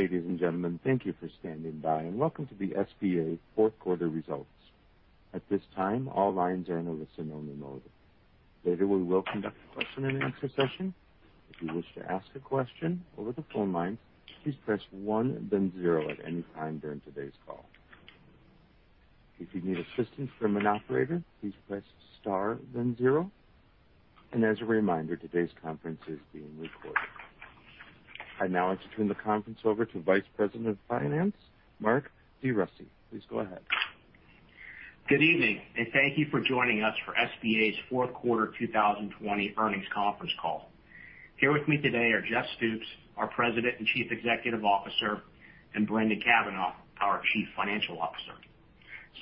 Ladies and gentlemen, thank you for standing by, and welcome to the SBA fourth quarter results. At this time, all lines are in a listen-only mode. Later, we will conduct a question-and-answer session. If you wish to ask a question over the phone lines, please press one, then zero at any time during today's call. If you need assistance from an operator, please press star, then zero. As a reminder, today's conference is being recorded. I now like to turn the conference over to Vice President of Finance, Mark DeRussy. Please go ahead. Good evening, and thank you for joining us for SBA's fourth quarter 2020 earnings conference call. Here with me today are Jeff Stoops, our President and Chief Executive Officer, and Brendan Cavanagh, our Chief Financial Officer.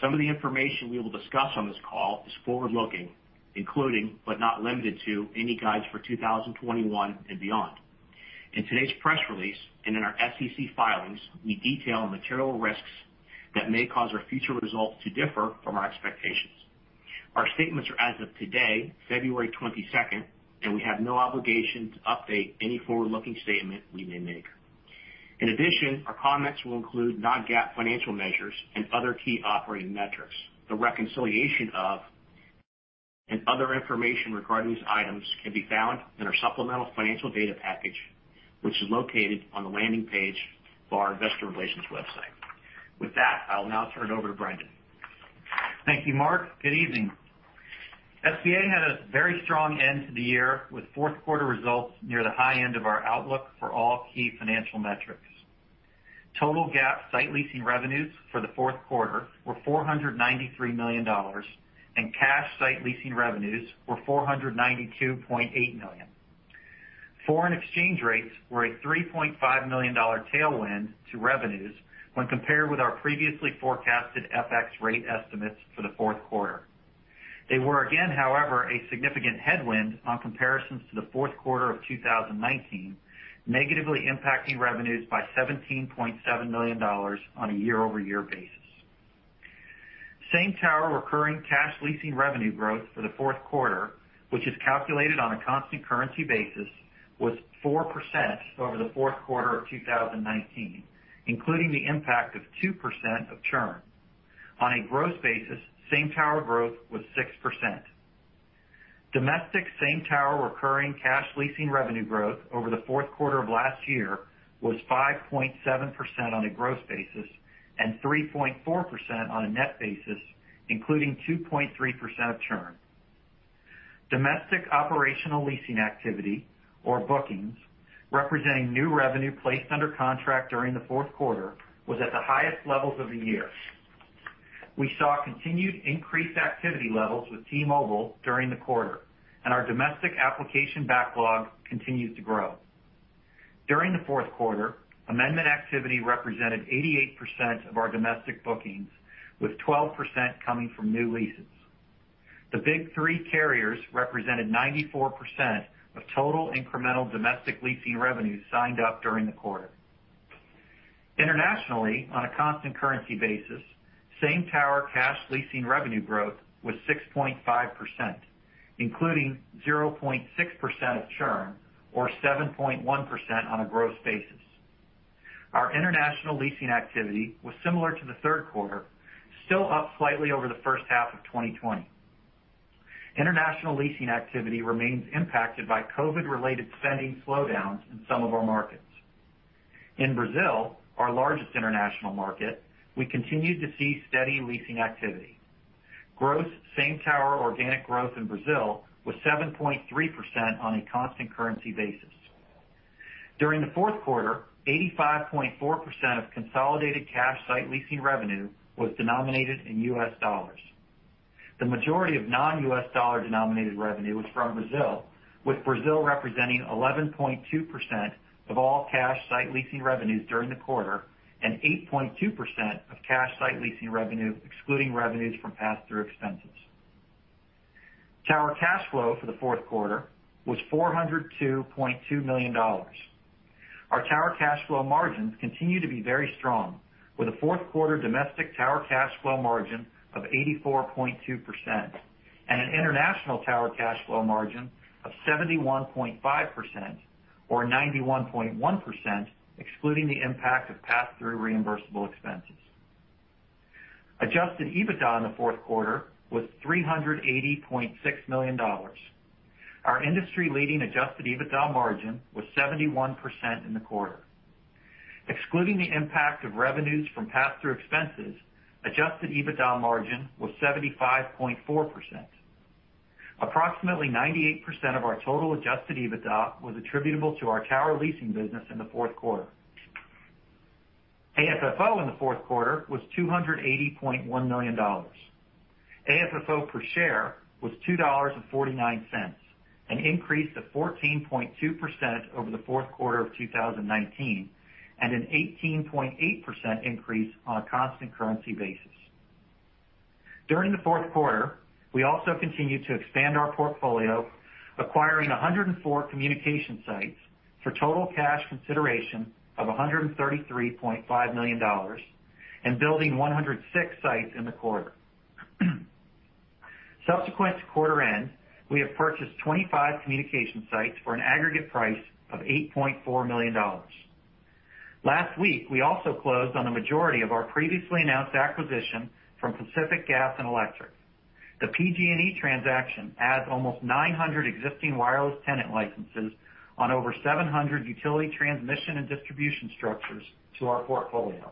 Some of the information we will discuss on this call is forward-looking, including, but not limited to, any guidance for 2021 and beyond. In today's press release and in our FCC filings, we detail material risks that may cause our future results to differ from our expectations. Our statements are, as of today, February 22nd, and we have no obligation to update any forward-looking statement we may make. In addition, our comments will include non-GAAP financial measures and other key operating metrics. The reconciliation of and other information regarding these items can be found in our supplemental financial data package, which is located on the landing page for our investor relations website. With that, I will now turn it over to Brendan. Thank you, Mark. Good evening. SBA had a very strong end to the year with fourth quarter results near the high end of our outlook for all key financial metrics. Total GAAP site leasing revenues for the fourth quarter were $493 million, and cash site leasing revenues were $492.8 million. Foreign exchange rates were a $3.5 million tailwind to revenues when compared with our previously forecasted FX rate estimates for the fourth quarter. They were again, however, a significant headwind on comparisons to the fourth quarter of 2019, negatively impacting revenues by $17.7 million on a year-over-year basis. Same tower recurring cash leasing revenue growth for the fourth quarter, which is calculated on a constant currency basis, was 4% over the fourth quarter of 2019, including the impact of 2% of churn. On a gross basis, same tower growth was 6%. Domestic same tower recurring cash leasing revenue growth over the fourth quarter of last year was 5.7% on a gross basis and 3.4% on a net basis, including 2.3% of churn. Domestic operational leasing activity, or bookings, representing new revenue placed under contract during the fourth quarter, was at the highest levels of the year. We saw continued increased activity levels with T-Mobile during the quarter, and our domestic application backlog continues to grow. During the fourth quarter, amendment activity represented 88% of our domestic bookings, with 12% coming from new leases. The big three carriers represented 94% of total incremental domestic leasing revenues signed up during the quarter. Internationally, on a constant currency basis, same tower cash leasing revenue growth was 6.5%, including 0.6% of churn, or 7.1% on a gross basis. Our international leasing activity was similar to the third quarter, still up slightly over the first half of 2020. International leasing activity remains impacted by COVID-related spending slowdowns in some of our markets. In Brazil, our largest international market, we continued to see steady leasing activity. Gross same tower organic growth in Brazil was 7.3% on a constant currency basis. During the fourth quarter, 85.4% of consolidated cash site leasing revenue was denominated in U.S. dollars. The majority of non-U.S. dollar denominated revenue was from Brazil, with Brazil representing 11.2% of all cash site leasing revenues during the quarter and 8.2% of cash site leasing revenue, excluding revenues from pass-through expenses. Tower cash flow for the fourth quarter was $402.2 million. Our tower cash flow margins continue to be very strong, with a fourth quarter domestic tower cash flow margin of 84.2% and an international tower cash flow margin of 71.5%, or 91.1%, excluding the impact of pass-through reimbursable expenses. Adjusted EBITDA in the fourth quarter was $380.6 million. Our industry-leading adjusted EBITDA margin was 71% in the quarter. Excluding the impact of revenues from pass-through expenses, adjusted EBITDA margin was 75.4%. Approximately 98% of our total adjusted EBITDA was attributable to our tower leasing business in the fourth quarter. AFFO in the fourth quarter was $280.1 million. AFFO per share was $2.49, an increase of 14.2% over the fourth quarter of 2019 and an 18.8% increase on a constant currency basis. During the fourth quarter, we also continued to expand our portfolio, acquiring 104 communication sites for total cash consideration of $133.5 million and building 106 sites in the quarter. Subsequent to quarter end, we have purchased 25 communication sites for an aggregate price of $8.4 million. Last week, we also closed on the majority of our previously announced acquisition from Pacific Gas and Electric. The PG&E transaction adds almost 900 existing wireless tenant licenses on over 700 utility transmission and distribution structures to our portfolio.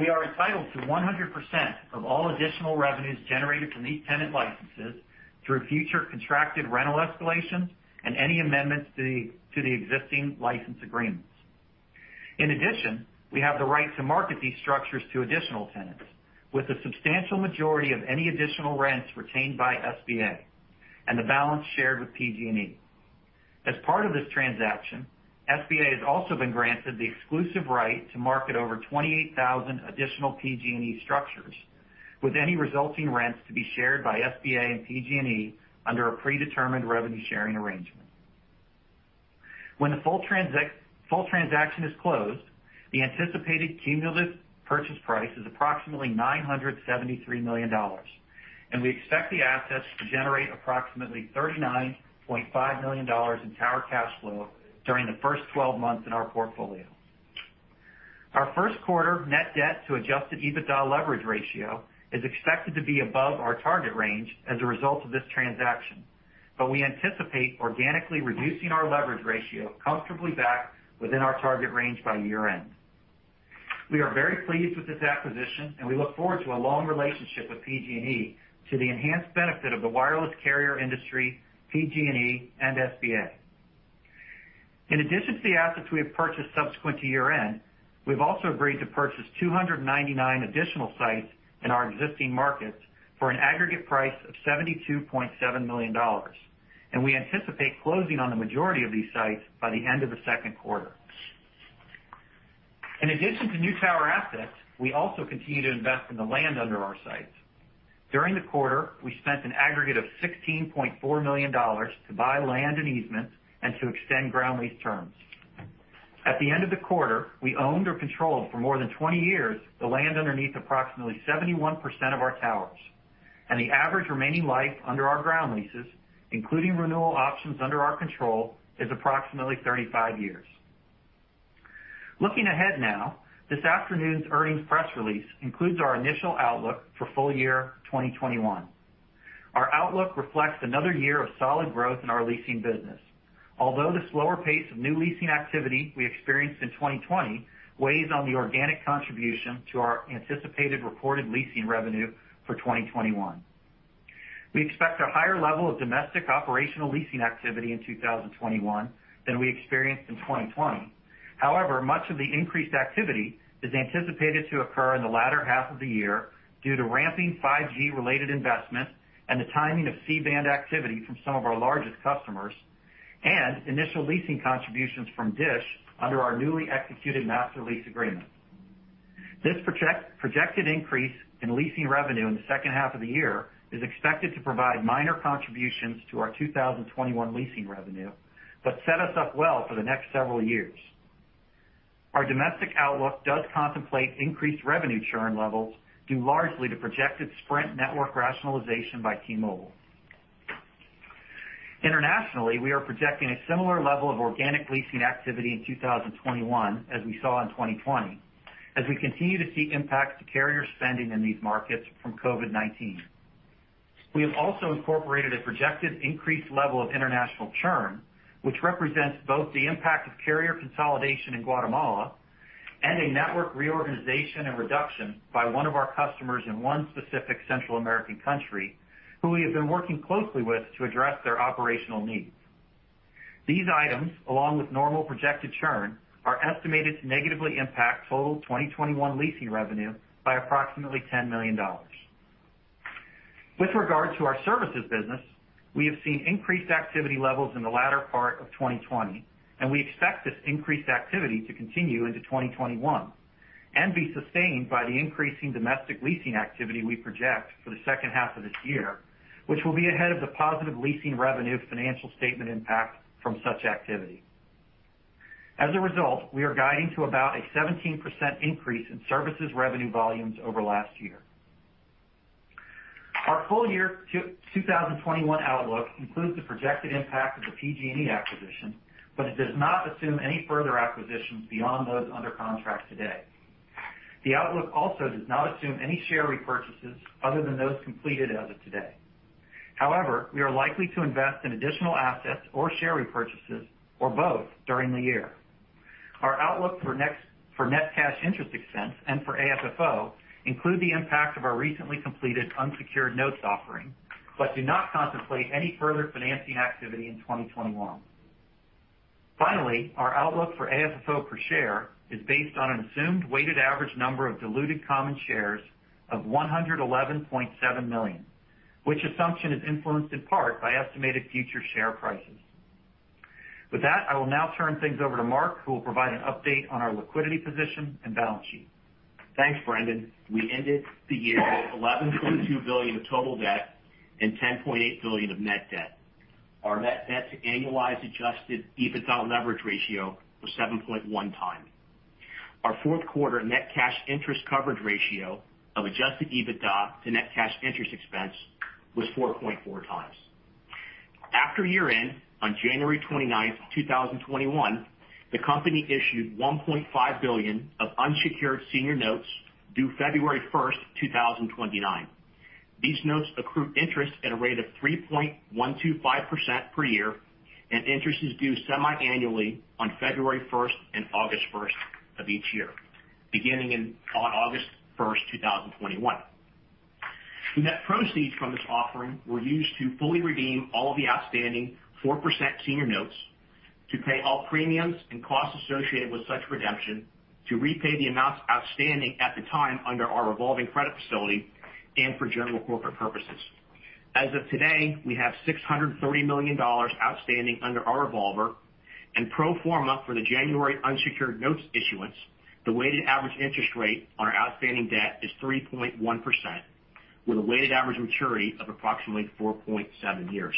We are entitled to 100% of all additional revenues generated from these tenant licenses through future contracted rental escalations and any amendments to the existing license agreements. In addition, we have the right to market these structures to additional tenants, with a substantial majority of any additional rents retained by SBA and the balance shared with PG&E. As part of this transaction, SBA has also been granted the exclusive right to market over 28,000 additional PG&E structures, with any resulting rents to be shared by SBA and PG&E under a predetermined revenue sharing arrangement. When the full transaction is closed, the anticipated cumulative purchase price is approximately $973 million, and we expect the assets to generate approximately $39.5 million in tower cash flow during the first 12 months in our portfolio. Our first quarter net debt to adjusted EBITDA leverage ratio is expected to be above our target range as a result of this transaction, but we anticipate organically reducing our leverage ratio comfortably back within our target range by year-end. We are very pleased with this acquisition, and we look forward to a long relationship with PG&E to the enhanced benefit of the wireless carrier industry, PG&E, and SBA. In addition to the assets we have purchased subsequent to year-end, we've also agreed to purchase 299 additional sites in our existing markets for an aggregate price of $72.7 million, and we anticipate closing on the majority of these sites by the end of the second quarter. In addition to new tower assets, we also continue to invest in the land under our sites. During the quarter, we spent an aggregate of $16.4 million to buy land and easements and to extend ground lease terms. At the end of the quarter, we owned or controlled for more than 20 years the land underneath approximately 71% of our towers, and the average remaining life under our ground leases, including renewal options under our control, is approximately 35 years. Looking ahead now, this afternoon's earnings press release includes our initial outlook for full year 2021. Our outlook reflects another year of solid growth in our leasing business, although the slower pace of new leasing activity we experienced in 2020 weighs on the organic contribution to our anticipated recorded leasing revenue for 2021. We expect a higher level of domestic operational leasing activity in 2021 than we experienced in 2020. However, much of the increased activity is anticipated to occur in the latter half of the year due to ramping 5G-related investment and the timing of C-band activity from some of our largest customers and initial leasing contributions from DISH under our newly executed master lease agreement. This projected increase in leasing revenue in the second half of the year is expected to provide minor contributions to our 2021 leasing revenue, but set us up well for the next several years. Our domestic outlook does contemplate increased revenue churn levels due largely to projected Sprint network rationalization by T-Mobile. Internationally, we are projecting a similar level of organic leasing activity in 2021 as we saw in 2020, as we continue to see impacts to carrier spending in these markets from COVID-19. We have also incorporated a projected increased level of international churn, which represents both the impact of carrier consolidation in Guatemala and a network reorganization and reduction by one of our customers in one specific Central American country who we have been working closely with to address their operational needs. These items, along with normal projected churn, are estimated to negatively impact total 2021 leasing revenue by approximately $10 million. With regard to our services business, we have seen increased activity levels in the latter part of 2020, and we expect this increased activity to continue into 2021 and be sustained by the increasing domestic leasing activity we project for the second half of this year, which will be ahead of the positive leasing revenue financial statement impact from such activity. As a result, we are guiding to about a 17% increase in services revenue volumes over last year. Our full year 2021 outlook includes the projected impact of the PG&E acquisition, but it does not assume any further acquisitions beyond those under contract today. The outlook also does not assume any share repurchases other than those completed as of today. However, we are likely to invest in additional assets or share repurchases or both during the year. Our outlook for net cash interest expense and for AFFO include the impact of our recently completed unsecured notes offering, but do not contemplate any further financing activity in 2021. Finally, our outlook for AFFO per share is based on an assumed weighted average number of diluted common shares of 111.7 million, which assumption is influenced in part by estimated future share prices. With that, I will now turn things over to Mark, who will provide an update on our liquidity position and balance sheet. Thanks, Brendan. We ended the year with $11.2 billion of total debt and $10.8 billion of net debt. Our net debt to annualized Adjusted EBITDA leverage ratio was 7.1x. Our fourth quarter net cash interest coverage ratio of Adjusted EBITDA to net cash interest expense was 4.4x. After year-end, on January 29, 2021, the company issued $1.5 billion of unsecured senior notes due February 1st, 2029. These notes accrued interest at a rate of 3.125% per year, and interest is due semi-annually on February 1st and August 1st of each year, beginning on August 1st, 2021. The net proceeds from this offering were used to fully redeem all of the outstanding 4% senior notes, to pay all premiums and costs associated with such redemption, to repay the amounts outstanding at the time under our revolving credit facility, and for general corporate purposes. As of today, we have $630 million outstanding under our revolver, and pro forma for the January unsecured notes issuance, the weighted average interest rate on our outstanding debt is 3.1%, with a weighted average maturity of approximately 4.7 years.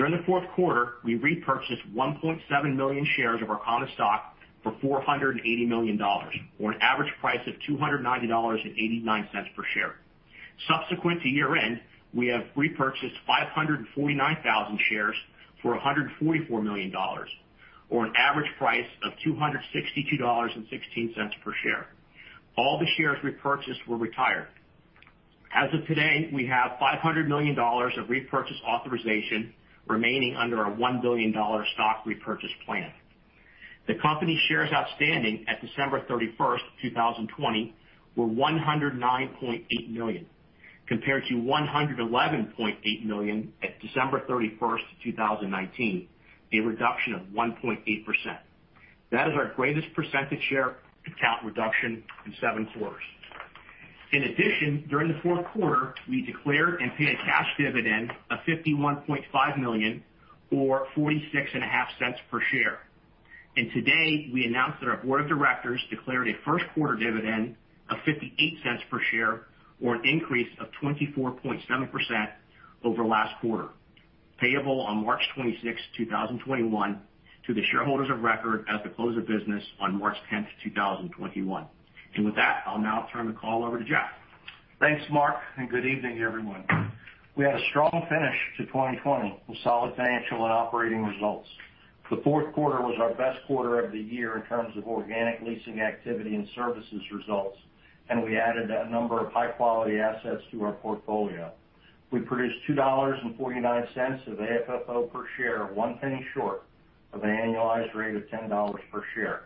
During the fourth quarter, we repurchased 1.7 million shares of our common stock for $480 million, or an average price of $290.89 per share. Subsequent to year-end, we have repurchased 549,000 shares for $144 million, or an average price of $262.16 per share. All the shares repurchased were retired. As of today, we have $500 million of repurchase authorization remaining under our $1 billion stock repurchase plan. The company shares outstanding at December 31st, 2020, were 109.8 million, compared to 111.8 million at December 31st, 2019, a reduction of 1.8%. That is our greatest percentage share account reduction in seven quarters. In addition, during the fourth quarter, we declared and paid a cash dividend of $51.5 million, or $0.465 per share. And today, we announced that our board of directors declared a first quarter dividend of $0.58 per share, or an increase of 24.7% over last quarter, payable on March 26, 2021, to the shareholders of record at the close of business on March 10, 2021. And with that, I'll now turn the call over to Jeff. Thanks, Mark, and good evening, everyone. We had a strong finish to 2020 with solid financial and operating results. The fourth quarter was our best quarter of the year in terms of organic leasing activity and services results, and we added a number of high-quality assets to our portfolio. We produced $2.49 of AFFO per share, one penny short of an annualized rate of $10 per share.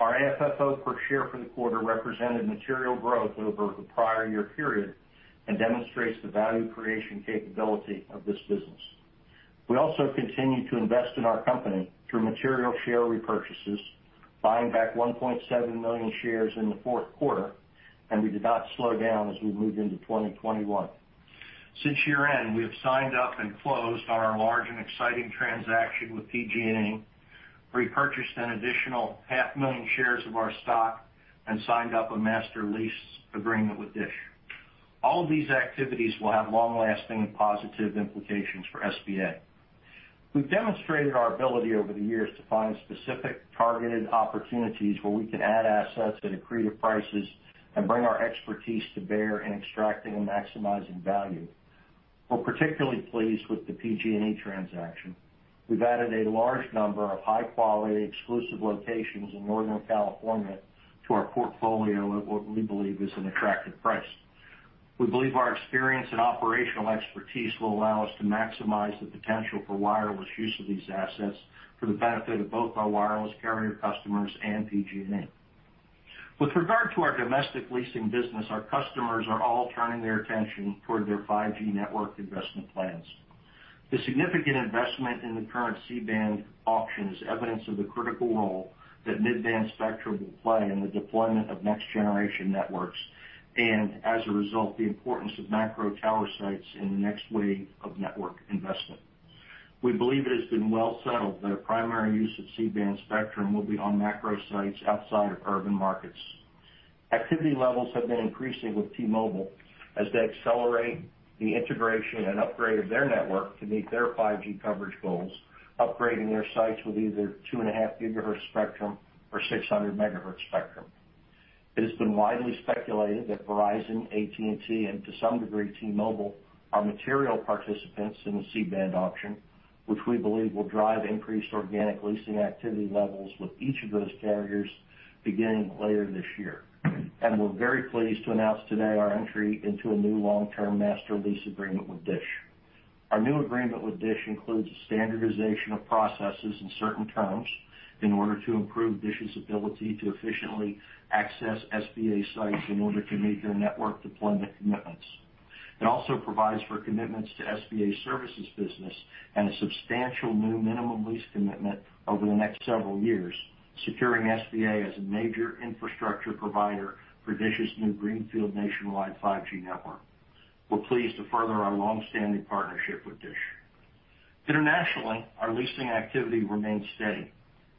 Our AFFO per share for the quarter represented material growth over the prior year period and demonstrates the value creation capability of this business. We also continue to invest in our company through material share repurchases, buying back 1.7 million shares in the fourth quarter, and we did not slow down as we moved into 2021. Since year-end, we have signed up and closed on our large and exciting transaction with PG&E, repurchased an additional 500,000 shares of our stock, and signed up a master lease agreement with DISH. All of these activities will have long-lasting and positive implications for SBA. We've demonstrated our ability over the years to find specific targeted opportunities where we can add assets at accretive prices and bring our expertise to bear in extracting and maximizing value. We're particularly pleased with the PG&E transaction. We've added a large number of high-quality exclusive locations in Northern California to our portfolio at what we believe is an attractive price. We believe our experience and operational expertise will allow us to maximize the potential for wireless use of these assets for the benefit of both our wireless carrier customers and PG&E. With regard to our domestic leasing business, our customers are all turning their attention toward their 5G network investment plans. The significant investment in the current C-band auction is evidence of the critical role that mid-band spectrum will play in the deployment of next-generation networks and, as a result, the importance of macro tower sites in the next wave of network investment. We believe it has been well settled that our primary use of C-band spectrum will be on macro sites outside of urban markets. Activity levels have been increasing with T-Mobile as they accelerate the integration and upgrade of their network to meet their 5G coverage goals, upgrading their sites with either 2.5 GHz spectrum or 600 MHz spectrum. It has been widely speculated that Verizon, AT&T, and to some degree T-Mobile are material participants in the C-band auction, which we believe will drive increased organic leasing activity levels with each of those carriers beginning later this year. We're very pleased to announce today our entry into a new long-term master lease agreement with DISH. Our new agreement with DISH includes a standardization of processes and certain terms in order to improve DISH's ability to efficiently access SBA sites in order to meet their network deployment commitments. It also provides for commitments to SBA services business and a substantial new minimum lease commitment over the next several years, securing SBA as a major infrastructure provider for DISH's new greenfield nationwide 5G network. We're pleased to further our long-standing partnership with DISH. Internationally, our leasing activity remains steady.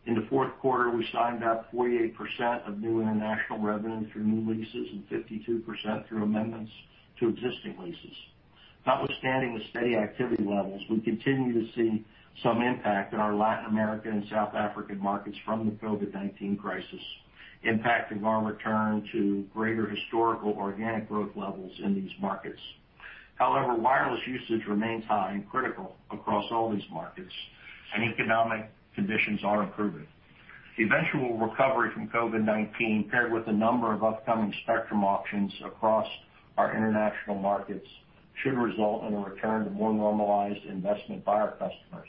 In the fourth quarter, we signed up 48% of new international revenue through new leases and 52% through amendments to existing leases. Notwithstanding the steady activity levels, we continue to see some impact in our Latin American and South African markets from the COVID-19 crisis, impacting our return to greater historical organic growth levels in these markets. However, wireless usage remains high and critical across all these markets, and economic conditions are improving. The eventual recovery from COVID-19, paired with a number of upcoming spectrum auctions across our international markets, should result in a return to more normalized investment by our customers,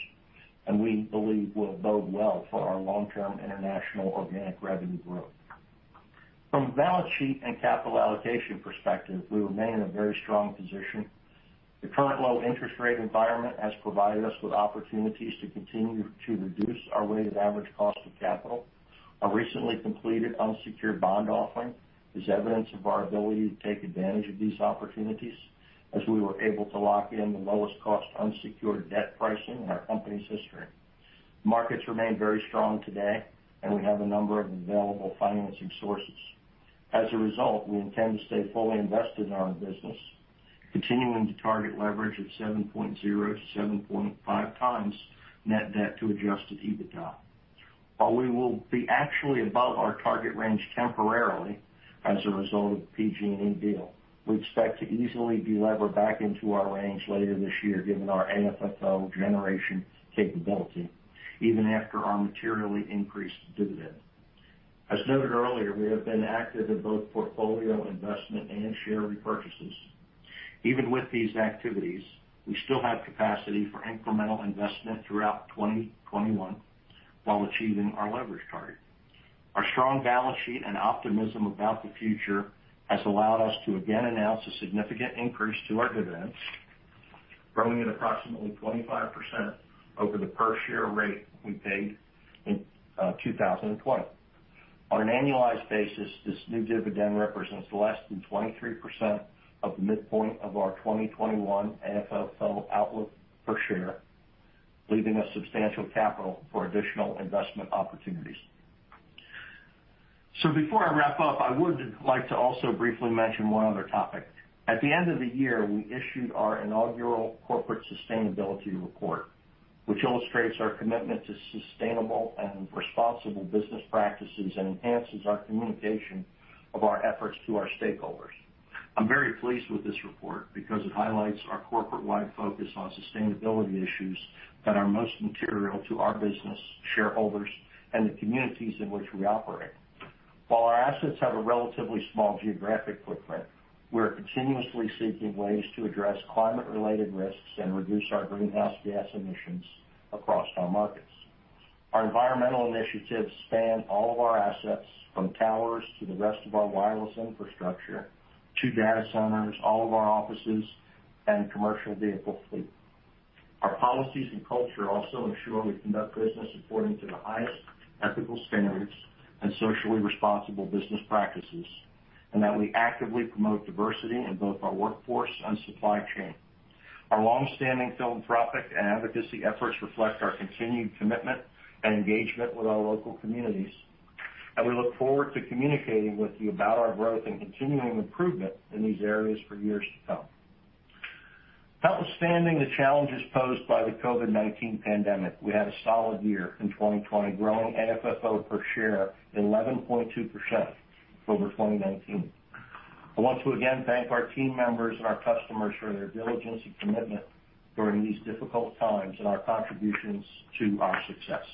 and we believe will bode well for our long-term international organic revenue growth. From a balance sheet and capital allocation perspective, we remain in a very strong position. The current low interest rate environment has provided us with opportunities to continue to reduce our weighted average cost of capital. Our recently completed unsecured bond offering is evidence of our ability to take advantage of these opportunities, as we were able to lock in the lowest cost unsecured debt pricing in our company's history. Markets remain very strong today, and we have a number of available financing sources. As a result, we intend to stay fully invested in our business, continuing to target leverage of 7.0-7.5 times net debt to Adjusted EBITDA. While we will be actually above our target range temporarily as a result of the PG&E deal, we expect to easily be levered back into our range later this year, given our AFFO generation capability, even after our materially increased dividend. As noted earlier, we have been active in both portfolio investment and share repurchases. Even with these activities, we still have capacity for incremental investment throughout 2021 while achieving our leverage target. Our strong balance sheet and optimism about the future has allowed us to again announce a significant increase to our dividends, growing at approximately 25% over the per share rate we paid in 2020. On an annualized basis, this new dividend represents less than 23% of the midpoint of our 2021 AFFO outlook per share, leaving us substantial capital for additional investment opportunities. So before I wrap up, I would like to also briefly mention one other topic. At the end of the year, we issued our inaugural corporate sustainability report, which illustrates our commitment to sustainable and responsible business practices and enhances our communication of our efforts to our stakeholders. I'm very pleased with this report because it highlights our corporate-wide focus on sustainability issues that are most material to our business, shareholders, and the communities in which we operate. While our assets have a relatively small geographic footprint, we are continuously seeking ways to address climate-related risks and reduce our greenhouse gas emissions across our markets. Our environmental initiatives span all of our assets, from towers to the rest of our wireless infrastructure, to data centers, all of our offices, and commercial vehicle fleet. Our policies and culture also ensure we conduct business according to the highest ethical standards and socially responsible business practices, and that we actively promote diversity in both our workforce and supply chain. Our long-standing philanthropic and advocacy efforts reflect our continued commitment and engagement with our local communities, and we look forward to communicating with you about our growth and continuing improvement in these areas for years to come. Despite the challenges posed by the COVID-19 pandemic, we had a solid year in 2020, growing AFFO per share 11.2% over 2019. I want to again thank our team members and our customers for their diligence and commitment during these difficult times and our contributions to our success.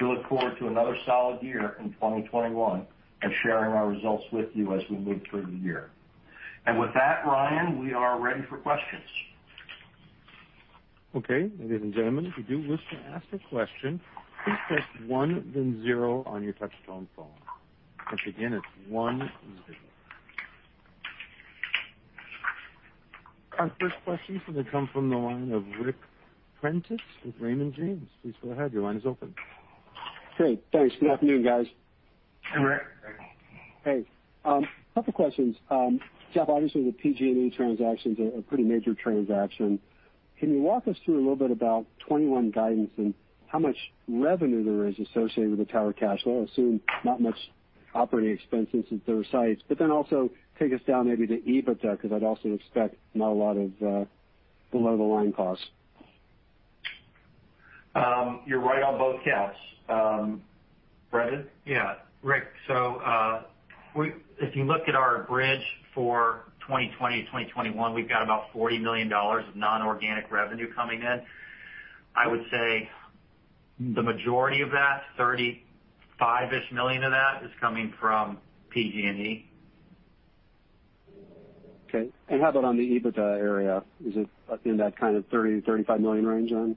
We look forward to another solid year in 2021 and sharing our results with you as we move through the year. With that, Ryan, we are ready for questions. Okay, ladies and gentlemen, if you do wish to ask a question, please press one, then zero on your touch-tone phone. Once again, it's one, zero. Our first question is going to come from the line of Ric Prentiss with Raymond James. Please go ahead. Your line is open. Great. Thanks. Good afternoon, guys. Hey, Ric. Hey. A couple of questions. Jeff, obviously, the PG&E transactions are a pretty major transaction. Can you walk us through a little bit about 2021 guidance and how much revenue there is associated with the Tower Cash Flow? Assume not much operating expenses at their sites, but then also take us down maybe to EBITDA because I'd also expect not a lot of below-the-line costs. You're right on both counts. Brendan? Yeah. Ric, so if you look at our bridge for 2020 to 2021, we've got about $40 million of non-organic revenue coming in. I would say the majority of that, $35-ish million of that, is coming from PG&E. Okay. And how about on the EBITDA area? Is it in that kind of $30 million-$35 million range then?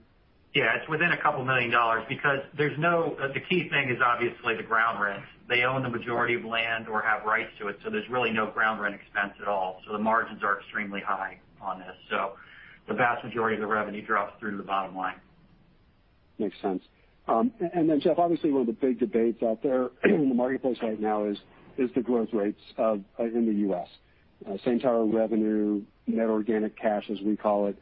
Yeah, it's within $2 million because there's no, the key thing is obviously the ground rent. They own the majority of land or have rights to it, so there's really no ground rent expense at all. So the vast majority of the revenue drops through to the bottom line. Makes sense. And then, Jeff, obviously, one of the big debates out there in the marketplace right now is the growth rates in the U.S. same-tower revenue, net organic cash, as we call it.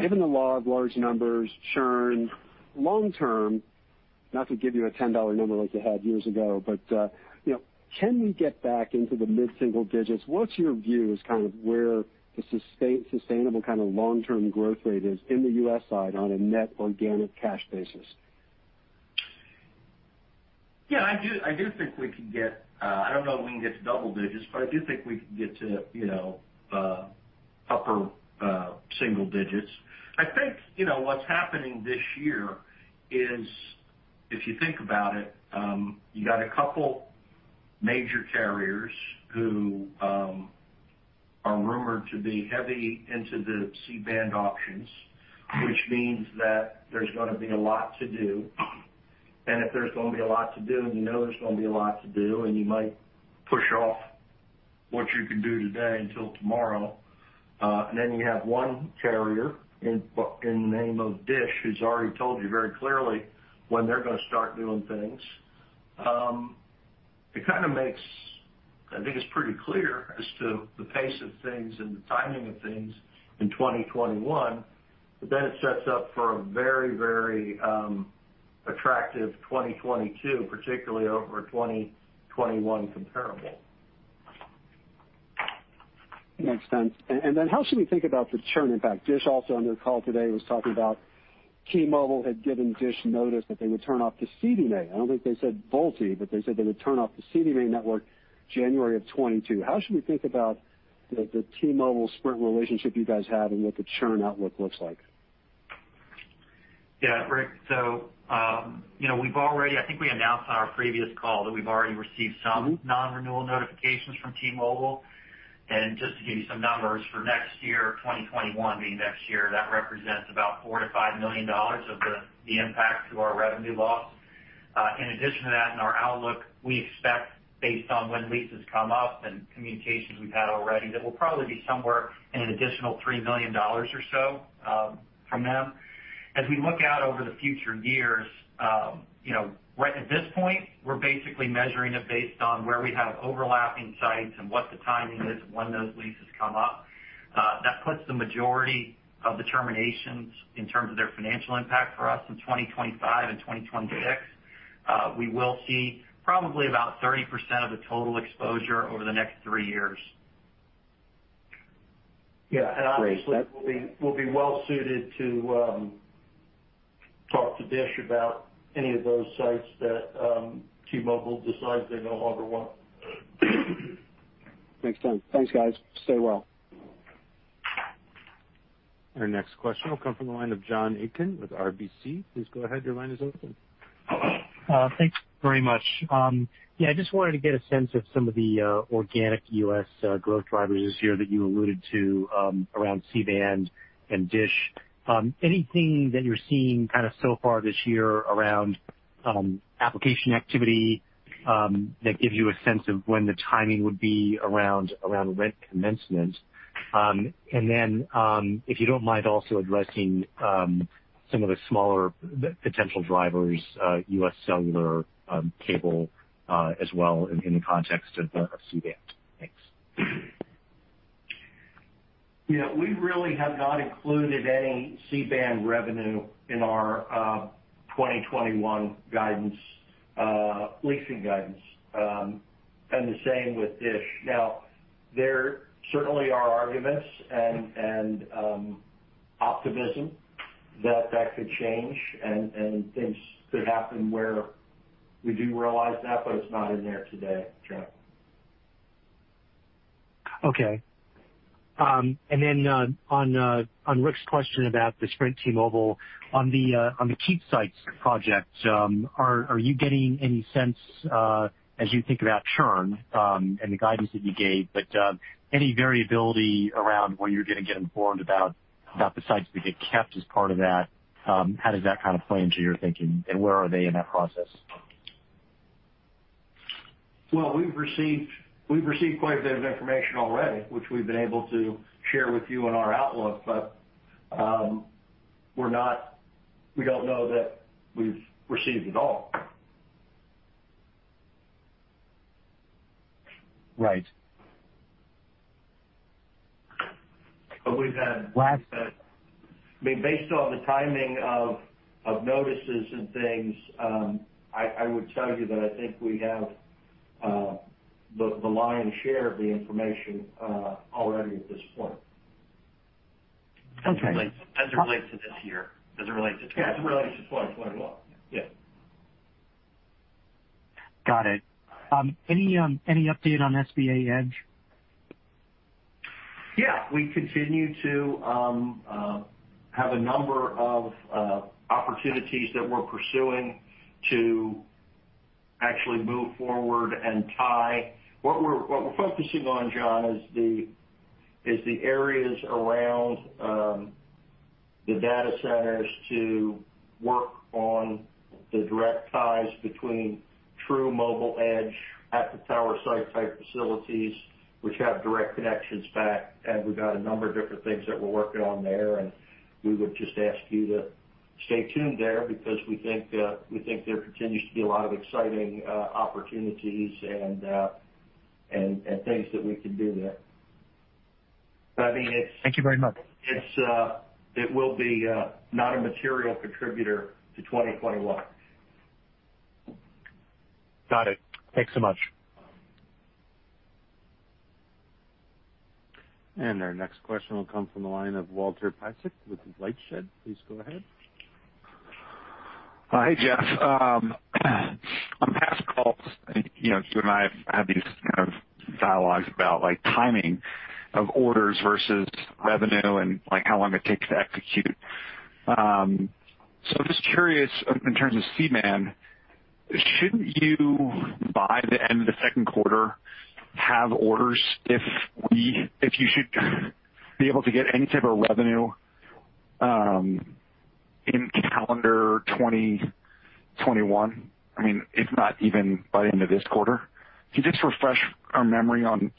Given the law of large numbers, churn long-term, not to give you a $10 number like you had years ago, but can we get back into the mid-single digits? What's your view as kind of where the sustainable kind of long-term growth rate is in the U.S. side on a net organic cash basis? Yeah, I do think we can get - I don't know if we can get to double digits, but I do think we can get to upper single digits. I think what's happening this year is, if you think about it, you've got a couple major carriers who are rumored to be heavy into the C-band options, which means that there's going to be a lot to do. And if there's going to be a lot to do and you know there's going to be a lot to do, and you might push off what you can do today until tomorrow, and then you have one carrier in the name of DISH who's already told you very clearly when they're going to start doing things. It kind of makes, I think it's pretty clear as to the pace of things and the timing of things in 2021, but then it sets up for a very, very attractive 2022, particularly over a 2021 comparable. Makes sense. And then how should we think about the churn impact? DISH also on their call today was talking about T-Mobile had given DISH notice that they would turn off the CDMA. I don't think they said VoLTE, but they said they would turn off the CDMA network January of 2022. How should we think about the T-Mobile-Sprint relationship you guys have and what the churn outlook looks like? Yeah, Rick, so we've already, I think we announced on our previous call that we've already received some non-renewal notifications from T-Mobile. And just to give you some numbers for next year, 2021 being next year, that represents about $4 million-$5 million of the impact to our revenue loss. In addition to that, in our outlook, we expect, based on when leases come up and communications we've had already, that we'll probably be somewhere in an additional $3 million or so from them. As we look out over the future years, right at this point, we're basically measuring it based on where we have overlapping sites and what the timing is of when those leases come up. That puts the majority of the terminations in terms of their financial impact for us in 2025 and 2026. We will see probably about 30% of the total exposure over the next three years. Yeah. And obviously, we'll be well-suited to talk to DISH about any of those sites that T-Mobile decides they no longer want. Makes sense. Thanks, guys. Stay well. Our next question will come from the line of Jonathan Atkin with RBC. Please go ahead. Your line is open. Thanks very much. Yeah, I just wanted to get a sense of some of the organic U.S. growth drivers this year that you alluded to around C-band and DISH. Anything that you're seeing kind of so far this year around application activity that gives you a sense of when the timing would be around rent commencement? And then, if you don't mind, also addressing some of the smaller potential drivers, U.S. Cellular, cable as well in the context of C-band. Thanks. Yeah, we really have not included any C-band revenue in our 2021 leasing guidance, and the same with DISH. Now, there certainly are arguments and optimism that that could change and things could happen where we do realize that, but it's not in there today, Jeff. Okay. And then on Ric's question about the Sprint T-Mobile, on the key sites project, are you getting any sense as you think about churn and the guidance that you gave, but any variability around where you're going to get informed about the sites that get kept as part of that? How does that kind of play into your thinking, and where are they in that process? Well, we've received quite a bit of information already, which we've been able to share with you in our outlook, but we don't know that we've received it all. Right. But we've had, I mean, based on the timing of notices and things, I would tell you that I think we have the lion's share of the information already at this point. Okay. As it relates to 2021. Yeah. Got it. Any update on SBA Edge? Yeah. We continue to have a number of opportunities that we're pursuing to actually move forward and tie. What we're focusing on, Jon, is the areas around the data centers to work on the direct ties between true mobile edge at the tower site-type facilities, which have direct connections back. And we've got a number of different things that we're working on there, and we would just ask you to stay tuned there because we think there continues to be a lot of exciting opportunities and things that we can do there. But I mean, it's— Thank you very much. It will be not a material contributor to 2021. Got it. Thanks so much. Our next question will come from the line of Walter Piecyk with LightShed Partners. Please go ahead. Hi, Jeff. On past calls, you and I have had these kind of dialogues about timing of orders versus revenue and how long it takes to execute. So I'm just curious, in terms of C-band, shouldn't you, by the end of the second quarter, have orders if you should be able to get any type of revenue in calendar 2021? I mean, if not even by the end of this quarter. Can you just refresh our memory on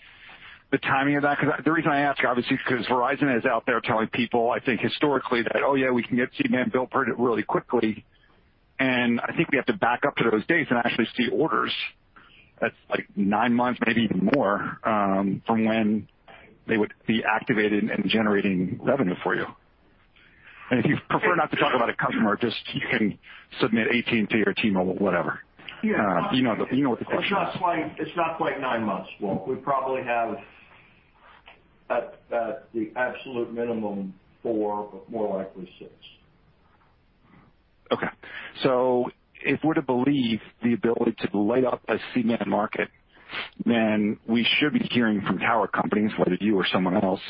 the timing of that? Because the reason I ask, obviously, is because Verizon is out there telling people, I think, historically, that, "Oh, yeah, we can get C-band billed pretty really quickly." And I think we have to back up to those dates and actually see orders that's like nine months, maybe even more, from when they would be activated and generating revenue for you. If you prefer not to talk about a customer, just you can submit 18 to your T-Mobile, whatever. You know what the question is. It's not quite nine months. Well, we probably have the absolute minimum four, but more likely six. Okay. So if we're to believe the ability to light up a C-band market, then we should be hearing from tower companies, whether it's you or someone else,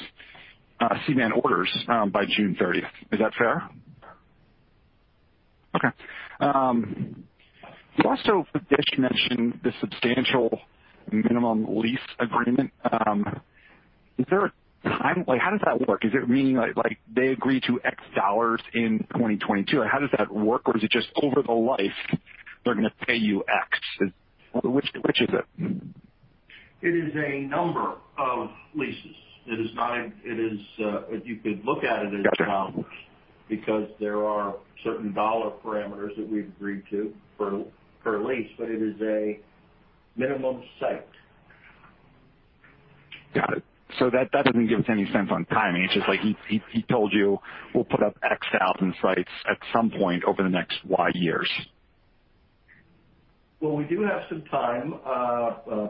C-band orders by June 30th. Is that fair? Okay. You also mentioned the substantial minimum lease agreement. Is there a time? How does that work? Is it meaning they agree to X dollars in 2022? How does that work? Or is it just over the life they're going to pay you X? Which is it? It is a number of leases. It is not. You could look at it as dollars because there are certain dollar parameters that we've agreed to per lease, but it is a minimum site. Got it. So that doesn't give us any sense on timing. It's just like he told you, "We'll put up X thousand sites at some point over the next Y years. Well, we do have some time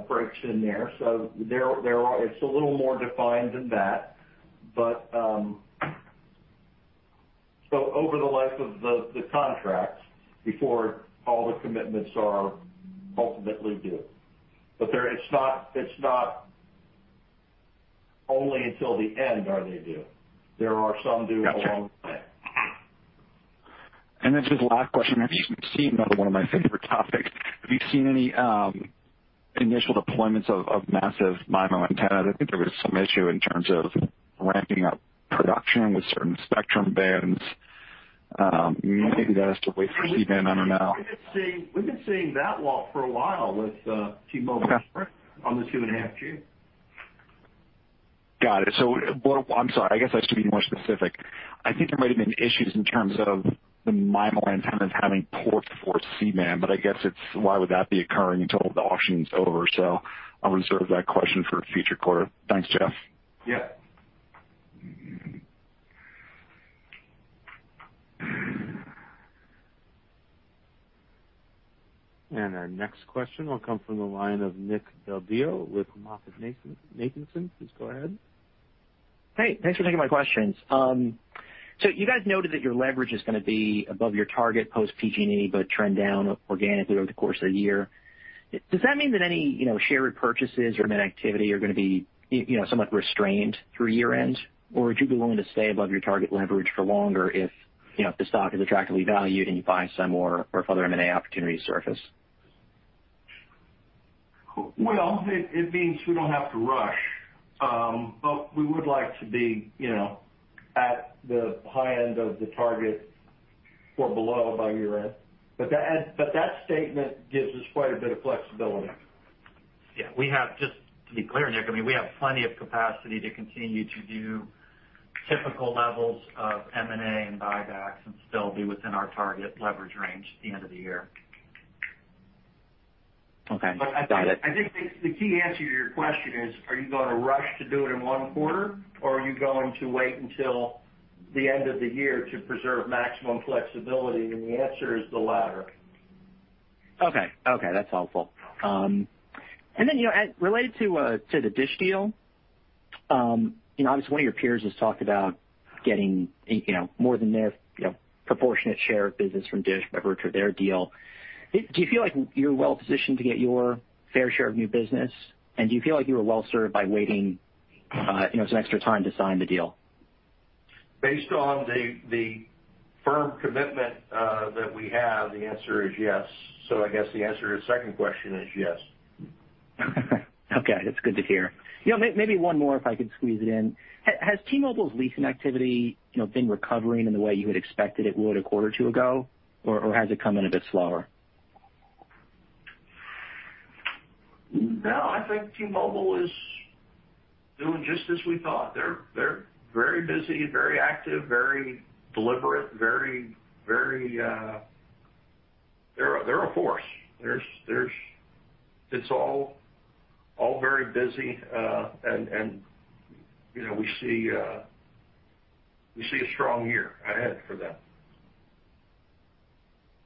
breaks in there. So it's a little more defined than that. But over the life of the contract, before all the commitments are ultimately due. But it's not only until the end are they due. There are some due along the way. And then, just last question. I've actually seen another one of my favorite topics. Have you seen any initial deployments of Massive MIMO antennas? I think there was some issue in terms of ramping up production with certain spectrum bands. Maybe that has to wait for C-band. I don't know. We've been seeing that walk for a while with T-Mobile Sprint on the 2.5 GHz. Got it. I'm sorry. I guess I should be more specific. I think there might have been issues in terms of the MIMO antennas having ports for C-band, but I guess it's why would that be occurring until the auction's over? I'll reserve that question for a future quarter. Thanks, Jeff. Yeah. Our next question will come from the line of Nick Del Deo with MoffettNathanson. Please go ahead. Hey, thanks for taking my questions. You guys noted that your leverage is going to be above your target post-PG&E, but trend down organically over the course of the year. Does that mean that any share purchases or M&A activity are going to be somewhat restrained through year-end? Or would you be willing to stay above your target leverage for longer if the stock is attractively valued and you buy some more or if other M&A opportunities surface? Well, it means we don't have to rush, but we would like to be at the high end of the target or below by year-end. But that statement gives us quite a bit of flexibility. Yeah. Just to be clear, Nick, I mean, we have plenty of capacity to continue to do typical levels of M&A and buybacks and still be within our target leverage range at the end of the year. Okay. Got it. But I think the key answer to your question is, are you going to rush to do it in one quarter, or are you going to wait until the end of the year to preserve maximum flexibility? And the answer is the latter. Okay. Okay. That's helpful. And then related to the DISH deal, obviously, one of your peers has talked about getting more than their proportionate share of business from DISH by virtue of their deal. Do you feel like you're well-positioned to get your fair share of new business? And do you feel like you were well-served by waiting some extra time to sign the deal? Based on the firm commitment that we have, the answer is yes. So I guess the answer to the second question is yes. Okay. That's good to hear. Yeah. Maybe one more if I could squeeze it in. Has T-Mobile's leasing activity been recovering in the way you had expected it would a quarter or two ago, or has it come in a bit slower? No. I think T-Mobile is doing just as we thought. They're very busy, very active, very deliberate, very—they're a force. It's all very busy, and we see a strong year ahead for them.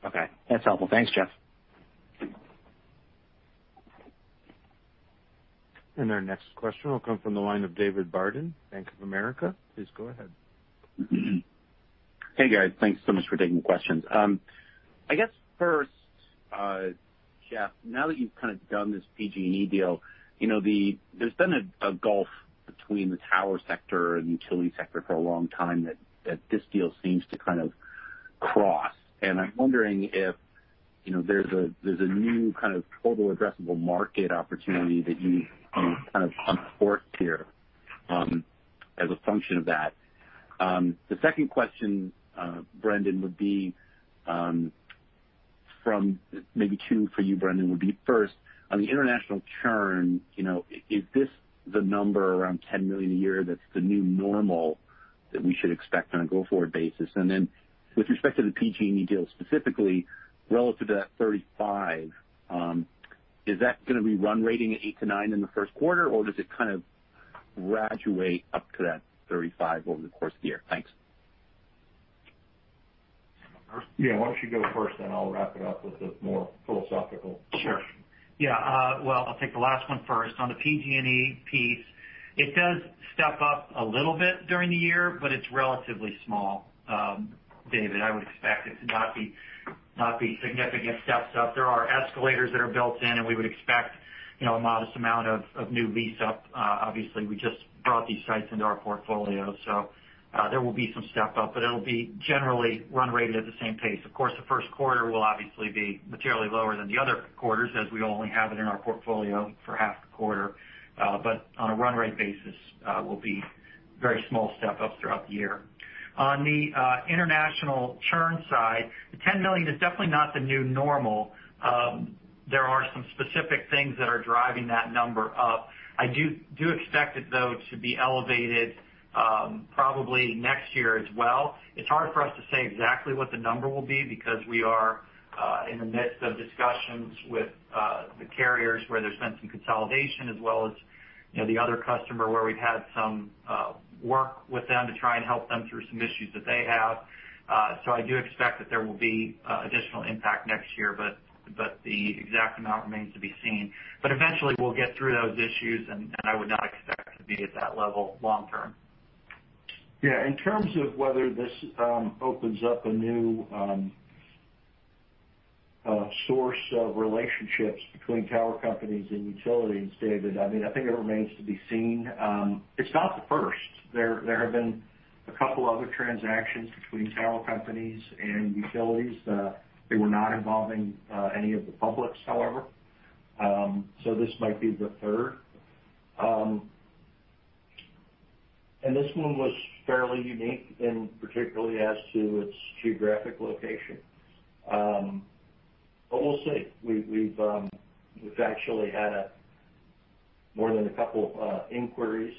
Okay. That's helpful. Thanks, Jeff. Our next question will come from the line of David Barden, Bank of America. Please go ahead. Hey, guys. Thanks so much for taking the questions. I guess first, Jeff, now that you've kind of done this PG&E deal, there's been a gulf between the tower sector and utility sector for a long time that this deal seems to kind of cross. And I'm wondering if there's a new kind of total addressable market opportunity that you kind of unforked here as a function of that. The second question, Brendan, would be from maybe two for you, Brendan, would be first, on the international churn, is this the number around $10 million a year that's the new normal that we should expect on a go-forward basis? Then with respect to the PG&E deal specifically, relative to that 35, is that going to be run-rate at eight-nine in the first quarter, or does it kind of graduate up to that 35 over the course of the year? Thanks. Yeah. Why don't you go first, and I'll wrap it up with a more philosophical question? Sure. Yeah. Well, I'll take the last one first. On the PG&E piece, it does step up a little bit during the year, but it's relatively small. David, I would expect it to not be significant steps up. There are escalators that are built in, and we would expect a modest amount of new lease-up. Obviously, we just brought these sites into our portfolio, so there will be some step-up, but it'll be generally run rated at the same pace. Of course, the first quarter will obviously be materially lower than the other quarters as we only have it in our portfolio for half a quarter. But on a run rate basis, it will be very small step-ups throughout the year. On the international churn side, the $10 million is definitely not the new normal. There are some specific things that are driving that number up. I do expect it, though, to be elevated probably next year as well. It's hard for us to say exactly what the number will be because we are in the midst of discussions with the carriers where there's been some consolidation, as well as the other customer where we've had some work with them to try and help them through some issues that they have. So I do expect that there will be additional impact next year, but the exact amount remains to be seen. But eventually, we'll get through those issues, and I would not expect to be at that level long-term. Yeah. In terms of whether this opens up a new source of relationships between tower companies and utilities, David, I mean, I think it remains to be seen. It's not the first. There have been a couple of other transactions between tower companies and utilities. They were not involving any of the publics, however. So this might be the third. And this one was fairly unique, particularly as to its geographic location. But we'll see. We've actually had more than a couple of inquiries.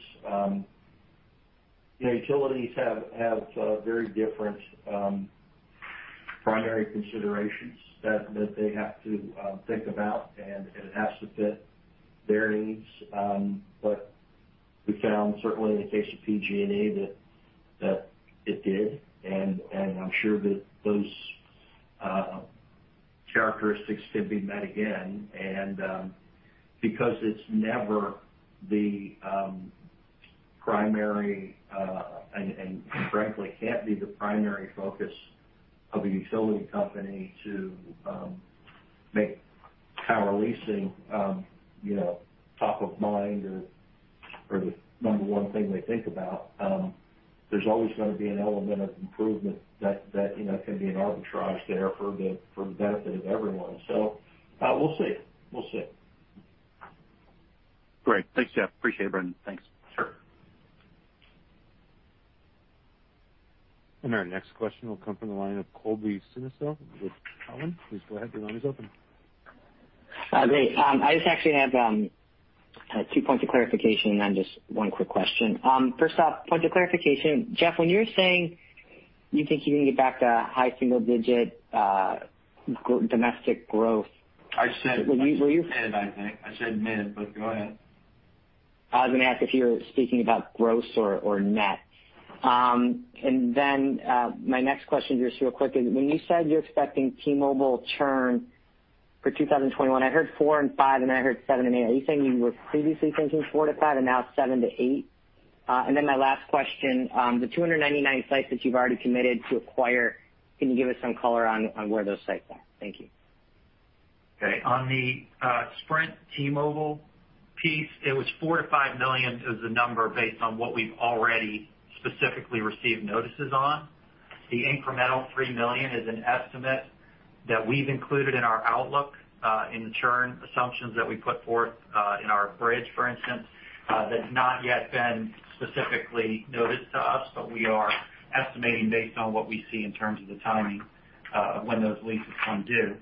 Utilities have very different primary considerations that they have to think about, and it has to fit their needs. But we found, certainly in the case of PG&E, that it did. And I'm sure that those characteristics can be met again. Because it's never the primary and frankly, can't be the primary focus of a utility company to make tower leasing top of mind or the number one thing they think about, there's always going to be an element of improvement that can be an arbitrage there for the benefit of everyone. So we'll see. We'll see. Great. Thanks, Jeff. Appreciate it, Brendan. Thanks. Sure. Our next question will come from the line of Colby Synesael with Cowen. Please go ahead. Your line is open. Hi, Dave. I just actually have two points of clarification and then just one quick question. First off, point of clarification, Jeff, when you're saying you think you can get back to high single-digit domestic growth. I said MIN, I think. I said MIN, but go ahead. I was going to ask if you're speaking about gross or net. And then my next question just real quick is, when you said you're expecting T-Mobile churn for 2021, I heard four and five, and then I heard seven and eight. Are you saying you were previously thinking four-five and now seven-eight? And then my last question, the 299 sites that you've already committed to acquire, can you give us some color on where those sites are? Thank you. Okay. On the Sprint T-Mobile piece, it was 4-5 million is the number based on what we've already specifically received notices on. The incremental 3 million is an estimate that we've included in our outlook in the churn assumptions that we put forth in our bridge, for instance, that's not yet been specifically noticed to us, but we are estimating based on what we see in terms of the timing of when those leases come due.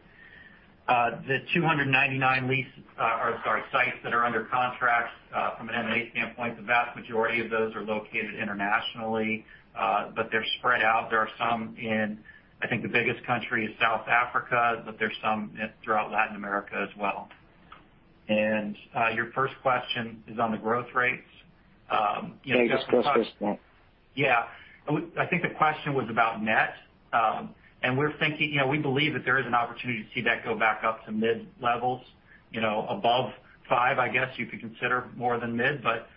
The 299 lease or sorry, sites that are under contract from an M&A standpoint, the vast majority of those are located internationally, but they're spread out. There are some in, I think, the biggest country is South Africa, but there's some throughout Latin America as well. Your first question is on the growth rates. Dave, just a quick question. Yeah. I think the question was about net. And we're thinking we believe that there is an opportunity to see that go back up to mid levels. Above 5, I guess you could consider more than mid, but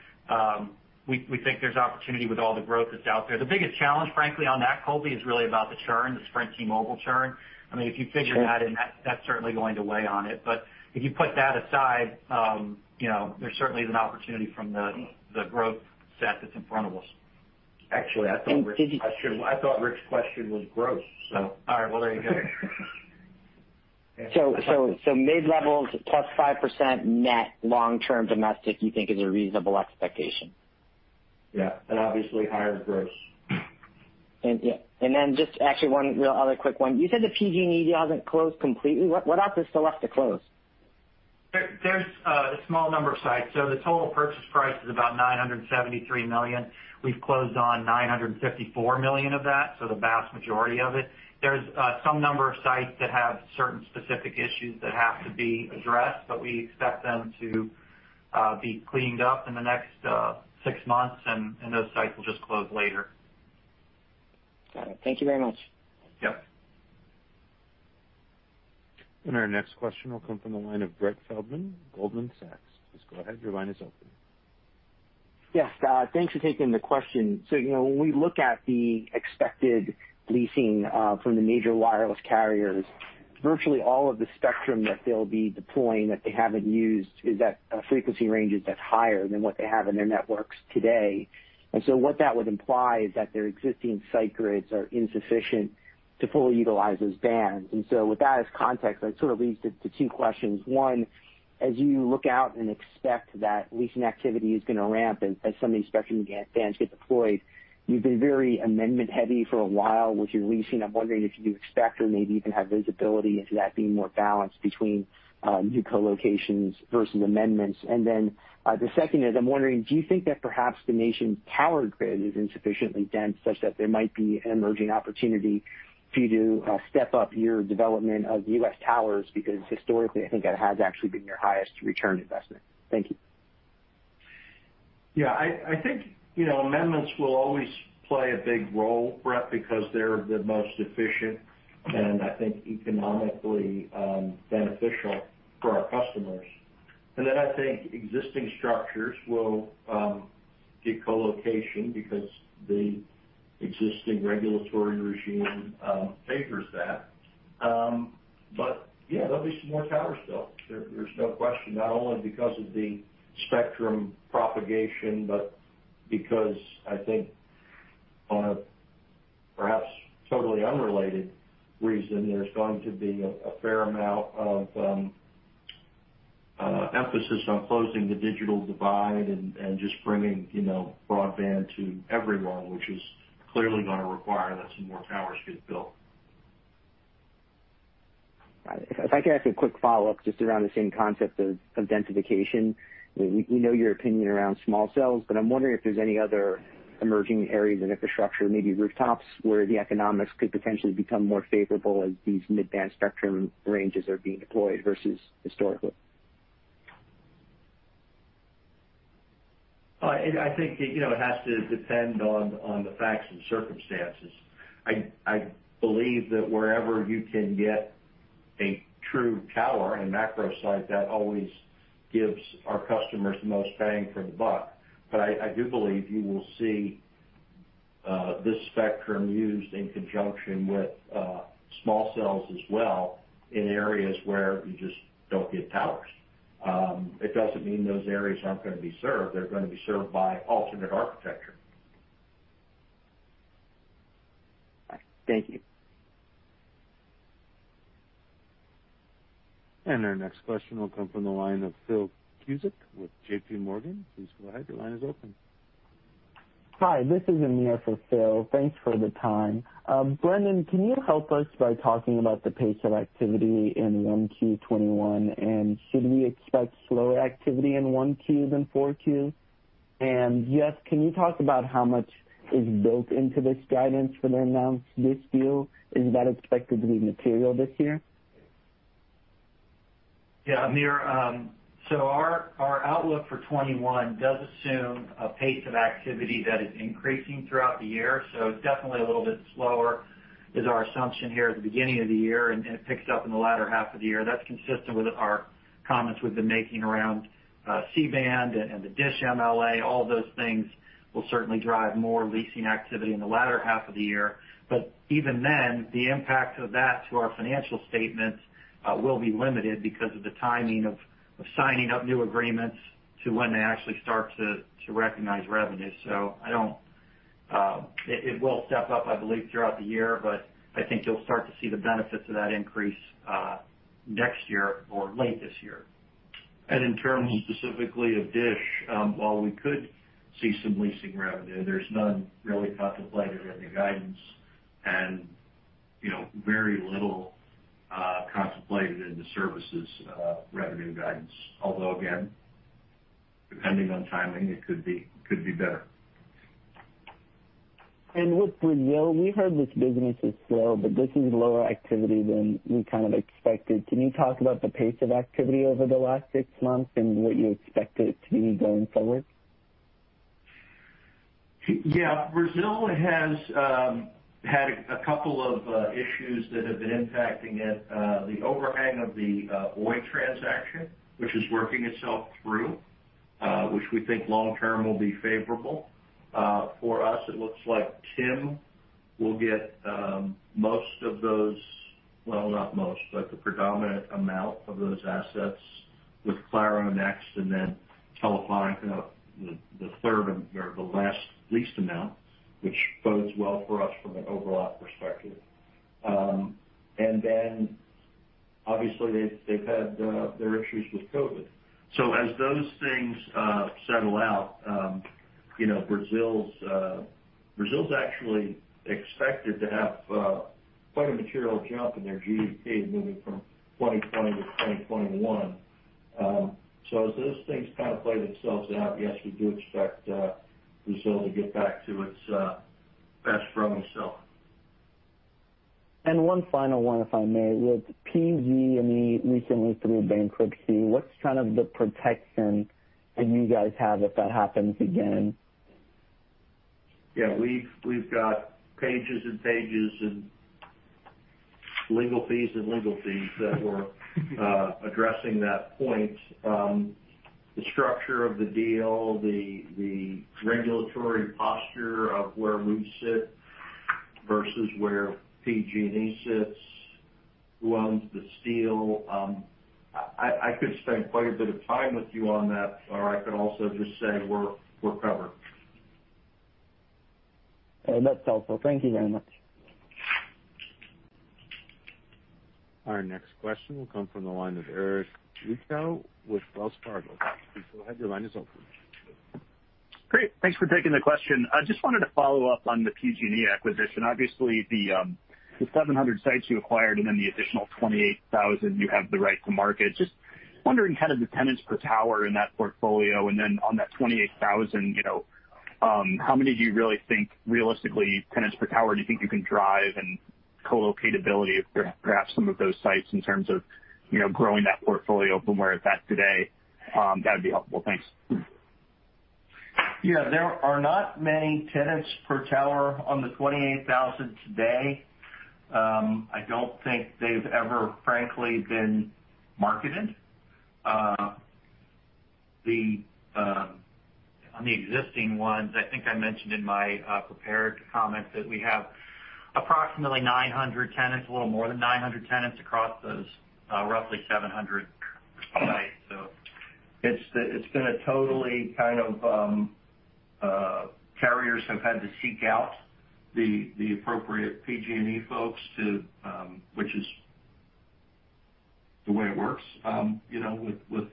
we think there's opportunity with all the growth that's out there. The biggest challenge, frankly, on that, Colby, is really about the churn, the Sprint T-Mobile churn. I mean, if you figure that in, that's certainly going to weigh on it. But if you put that aside, there certainly is an opportunity from the growth set that's in front of us. Actually, I thought Ric's question was gross, so. All right. Well, there you go. Mid levels plus 5% net long-term domestic, you think, is a reasonable expectation? Yeah. And obviously, higher gross. Then just actually one real other quick one. You said the PG&E deal hasn't closed completely. What else is still left to close? There's a small number of sites. So the total purchase price is about $973 million. We've closed on $954 million of that, so the vast majority of it. There's some number of sites that have certain specific issues that have to be addressed, but we expect them to be cleaned up in the next six months, and those sites will just close later. Got it. Thank you very much. Yep. Our next question will come from the line of Brett Feldman, Goldman Sachs. Please go ahead. Your line is open. Yes. Thanks for taking the question. So when we look at the expected leasing from the major wireless carriers, virtually all of the spectrum that they'll be deploying that they haven't used is at frequency ranges that's higher than what they have in their networks today. And so what that would imply is that their existing site grids are insufficient to fully utilize those bands. And so with that as context, that sort of leads to two questions. One, as you look out and expect that leasing activity is going to ramp as some of these spectrum bands get deployed, you've been very amendment-heavy for a while with your leasing. I'm wondering if you do expect or maybe even have visibility into that being more balanced between new colocations versus amendments. And then the second is, I'm wondering, do you think that perhaps the nation's tower grid is insufficiently dense such that there might be an emerging opportunity for you to step up your development of U.S. towers because historically, I think it has actually been your highest return investment? Thank you. Yeah. I think amendments will always play a big role, Brett, because they're the most efficient and I think economically beneficial for our customers. And then I think existing structures will get colocation because the existing regulatory regime favors that. But yeah, there'll be some more towers built. There's no question, not only because of the spectrum propagation, but because I think on a perhaps totally unrelated reason, there's going to be a fair amount of emphasis on closing the digital divide and just bringing broadband to everyone, which is clearly going to require that some more towers get built. Got it. If I can ask a quick follow-up just around the same concept of densification. We know your opinion around small cells, but I'm wondering if there's any other emerging areas in infrastructure, maybe rooftops, where the economics could potentially become more favorable as these mid-band spectrum ranges are being deployed versus historically? I think it has to depend on the facts and circumstances. I believe that wherever you can get a true tower and macro site, that always gives our customers the most bang for the buck. But I do believe you will see this spectrum used in conjunction with small cells as well in areas where you just don't get towers. It doesn't mean those areas aren't going to be served. They're going to be served by alternate architecture. Thank you. Our next question will come from the line of Phil Cusick with J.P. Morgan. Please go ahead. Your line is open. Hi. This is Amir for Phil. Thanks for the time. Brendan, can you help us by talking about the pace of activity in 1Q 2021, and should we expect slower activity in 1Q than 4Q? And yes, can you talk about how much is built into this guidance for the announced this deal? Is that expected to be material this year? Yeah. Amir, so our outlook for 2021 does assume a pace of activity that is increasing throughout the year. So it's definitely a little bit slower is our assumption here at the beginning of the year, and it picks up in the latter half of the year. That's consistent with our comments we've been making around C-band and the DISH MLA. All of those things will certainly drive more leasing activity in the latter half of the year. But even then, the impact of that to our financial statements will be limited because of the timing of signing up new agreements to when they actually start to recognize revenue. So it will step up, I believe, throughout the year, but I think you'll start to see the benefits of that increase next year or late this year. In terms specifically of DISH, while we could see some leasing revenue, there's none really contemplated in the guidance and very little contemplated in the services revenue guidance. Although, again, depending on timing, it could be better. With Brazil, we heard this business is slow, but this is lower activity than we kind of expected. Can you talk about the pace of activity over the last six months and what you expect it to be going forward? Yeah. Brazil has had a couple of issues that have been impacting it. The overhang of the Oi transaction, which is working itself through, which we think long-term will be favorable for us. It looks like TIM will get most of those, well, not most, but the predominant amount of those assets, with Claro next and then Telefónica, the third or the least amount, which bodes well for us from an overlap perspective. And then, obviously, they've had their issues with COVID. So as those things settle out, Brazil's actually expected to have quite a material jump in their GDP moving from 2020 to 2021. So as those things kind of play themselves out, yes, we do expect Brazil to get back to its best growing self. One final one, if I may. With PG&E recently through bankruptcy, what's kind of the protection that you guys have if that happens again? Yeah. We've got pages and pages and legal fees and legal fees that were addressing that point. The structure of the deal, the regulatory posture of where we sit versus where PG&E sits, who owns the steel. I could spend quite a bit of time with you on that, or I could also just say we're covered. That's helpful. Thank you very much. Our next question will come from the line of Eric Luebchow with Wells Fargo. Please go ahead. Your line is open. Great. Thanks for taking the question. I just wanted to follow up on the PG&E acquisition. Obviously, the 700 sites you acquired and then the additional 28,000 you have the right to market. Just wondering kind of the tenants per tower in that portfolio. And then on that 28,000, how many do you really think realistically tenants per tower do you think you can drive and colocatability of perhaps some of those sites in terms of growing that portfolio from where it's at today? That would be helpful. Thanks. Yeah. There are not many tenants per tower on the 28,000 today. I don't think they've ever, frankly, been marketed. On the existing ones, I think I mentioned in my prepared comment that we have approximately 900 tenants, a little more than 900 tenants across those roughly 700 sites. So it's been a totally kind of carriers have had to seek out the appropriate PG&E folks, which is the way it works with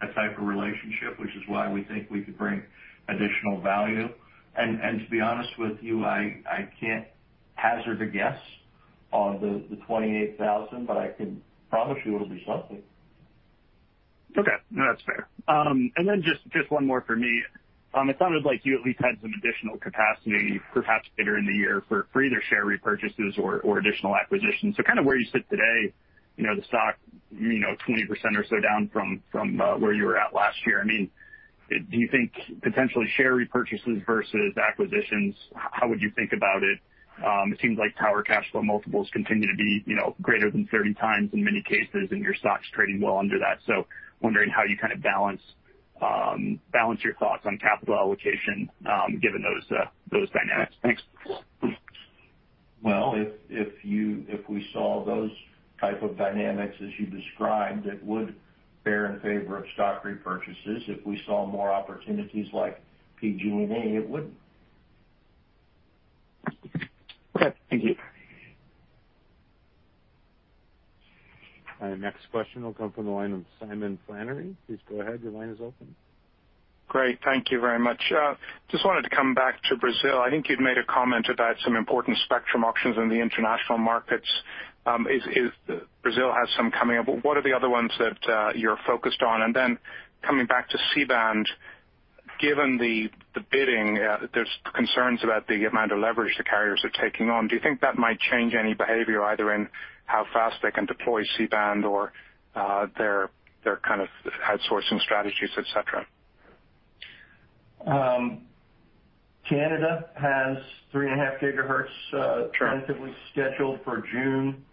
that type of relationship, which is why we think we could bring additional value. And to be honest with you, I can't hazard a guess on the 28,000, but I can promise you it'll be something. Okay. No, that's fair. And then just one more for me. It sounded like you at least had some additional capacity perhaps later in the year for either share repurchases or additional acquisitions. So kind of where you sit today, the stock 20% or so down from where you were at last year. I mean, do you think potentially share repurchases versus acquisitions, how would you think about it? It seems like tower cash flow multiples continue to be greater than 30x in many cases, and your stock's trading well under that. So wondering how you kind of balance your thoughts on capital allocation given those dynamics. Thanks. Well, if we saw those type of dynamics as you described, it would bear in favor of stock repurchases. If we saw more opportunities like PG&E, it wouldn't. Okay. Thank you. Our next question will come from the line of Simon Flannery. Please go ahead. Your line is open. Great. Thank you very much. Just wanted to come back to Brazil. I think you'd made a comment about some important spectrum auctions in the international markets. Brazil has some coming up. What are the other ones that you're focused on? And then coming back to C-band, given the bidding, there's concerns about the amount of leverage the carriers are taking on. Do you think that might change any behavior either in how fast they can deploy C-band or their kind of outsourcing strategies, etc.? Canada has 3.5 GHz tentatively scheduled for June.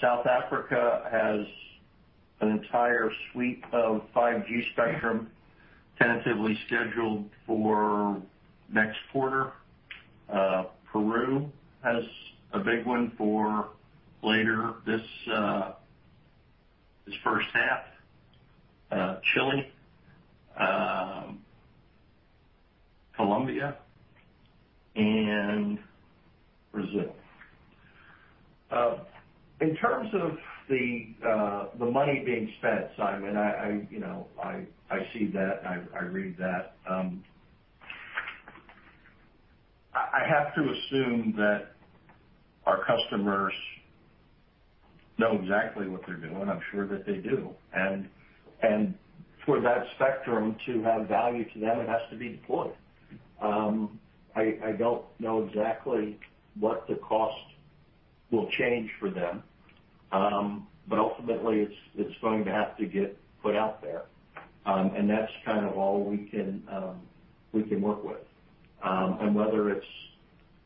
South Africa has an entire suite of 5G spectrum tentatively scheduled for next quarter. Peru has a big one for later this first half. Chile, Colombia, and Brazil. In terms of the money being spent, Simon, I see that. I read that. I have to assume that our customers know exactly what they're doing. I'm sure that they do. And for that spectrum to have value to them, it has to be deployed. I don't know exactly what the cost will change for them, but ultimately, it's going to have to get put out there. And that's kind of all we can work with. And whether it's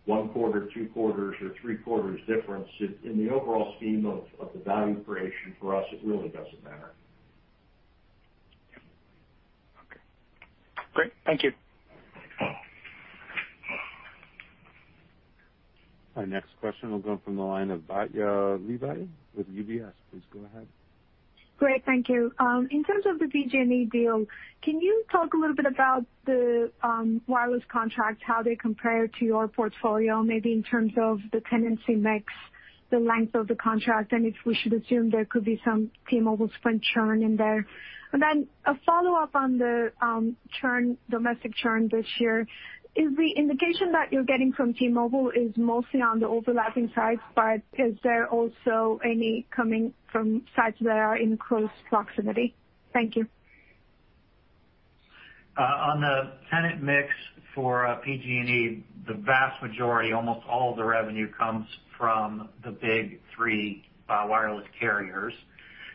one quarter, two quarters, or three quarters difference, in the overall scheme of the value creation for us, it really doesn't matter. Okay. Great. Thank you. Our next question will come from the line of Batya Levi with UBS. Please go ahead. Great. Thank you. In terms of the PG&E deal, can you talk a little bit about the wireless contracts, how they compare to your portfolio, maybe in terms of the tenancy mix, the length of the contract, and if we should assume there could be some T-Mobile spend churn in there? And then a follow-up on the domestic churn this year. Is the indication that you're getting from T-Mobile is mostly on the overlapping sites, but is there also any coming from sites that are in close proximity? Thank you. On the tenant mix for PG&E, the vast majority, almost all, of the revenue comes from the big three wireless carriers.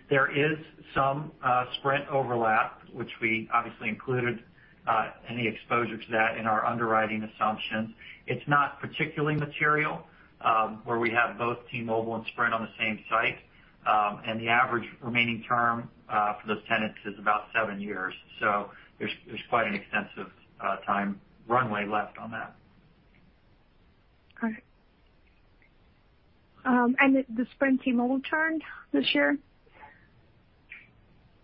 There is some Sprint overlap, which we obviously included any exposure to that in our underwriting assumptions. It's not particularly material where we have both T-Mobile and Sprint on the same site. The average remaining term for those tenants is about seven years. There's quite an extensive time runway left on that. Okay. And the Sprint T-Mobile churn this year?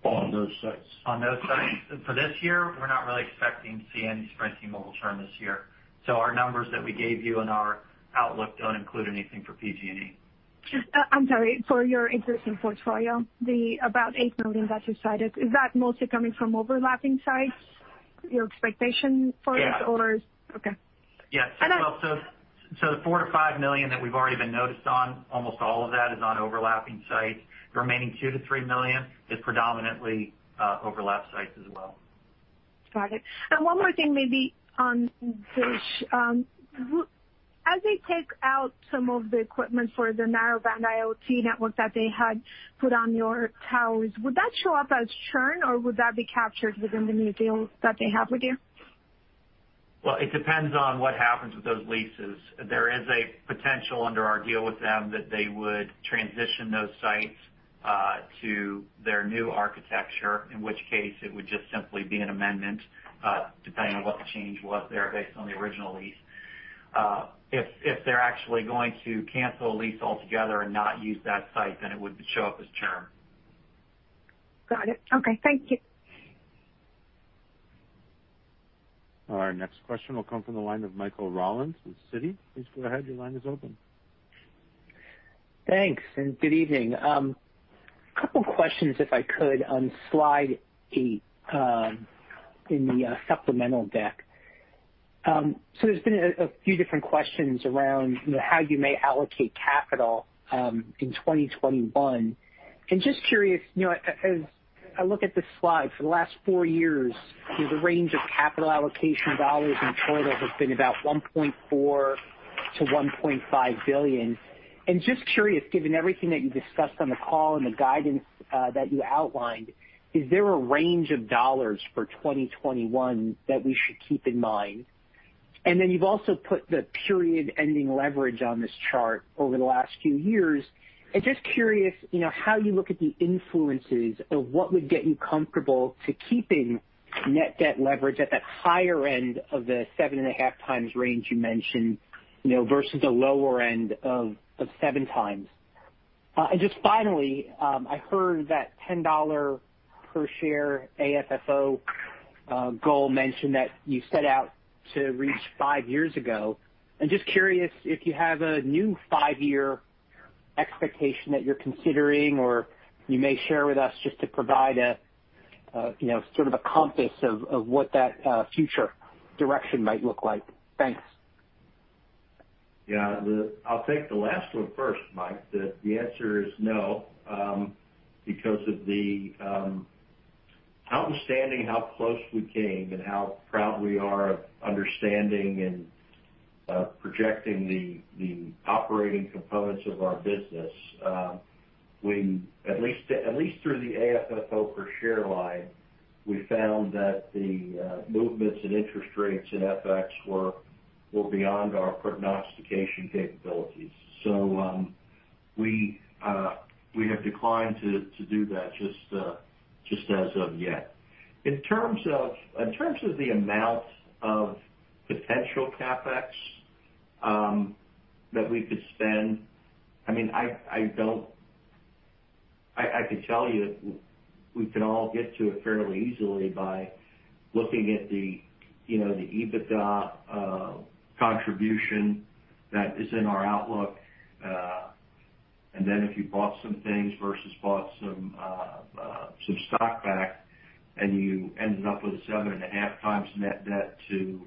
On those sites. On those sites. For this year, we're not really expecting to see any Sprint T-Mobile churn this year. So our numbers that we gave you in our outlook don't include anything for PG&E. I'm sorry. For your existing portfolio, the about 8 million that you cited, is that mostly coming from overlapping sites, your expectation for it, or? Yes. Okay. Yes. So the $4 million-$5 million that we've already been noticed on, almost all of that is on overlapping sites. The remaining $2 million-$3 million is predominantly overlap sites as well. Got it. One more thing maybe on DISH. As they take out some of the equipment for the Narrowband IoT network that they had put on your towers, would that show up as churn, or would that be captured within the new deal that they have with you? Well, it depends on what happens with those leases. There is a potential under our deal with them that they would transition those sites to their new architecture, in which case it would just simply be an amendment depending on what the change was there based on the original lease. If they're actually going to cancel a lease altogether and not use that site, then it would show up as churn. Got it. Okay. Thank you. Our next question will come from the line of Michael Rollins with Citi. Please go ahead. Your line is open. Thanks. And good evening. A couple of questions, if I could, on slide 8 in the supplemental deck. So there's been a few different questions around how you may allocate capital in 2021. And just curious, as I look at this slide, for the last four years, the range of capital allocation dollars in total has been about $1.4 billion-$1.5 billion. And just curious, given everything that you discussed on the call and the guidance that you outlined, is there a range of dollars for 2021 that we should keep in mind? And then you've also put the period-ending leverage on this chart over the last few years. And just curious how you look at the influences of what would get you comfortable to keeping net debt leverage at that higher end of the 7.5x range you mentioned versus the lower end of 7x. Just finally, I heard that $10 per share AFFO goal mentioned that you set out to reach five years ago. Just curious if you have a new five-year expectation that you're considering or you may share with us just to provide sort of a compass of what that future direction might look like? Thanks. Yeah. I'll take the last one first, Mike. The answer is no because of how outstanding how close we came and how proud we are of understanding and projecting the operating components of our business. At least through the AFFO per share line, we found that the movements in interest rates and FX were beyond our prognostication capabilities. So we have declined to do that just as of yet. In terms of the amount of potential CapEx that we could spend, I mean, I could tell you we can all get to it fairly easily by looking at the EBITDA contribution that is in our outlook. And then if you bought some things versus bought some stock back and you ended up with a 7.5x net debt to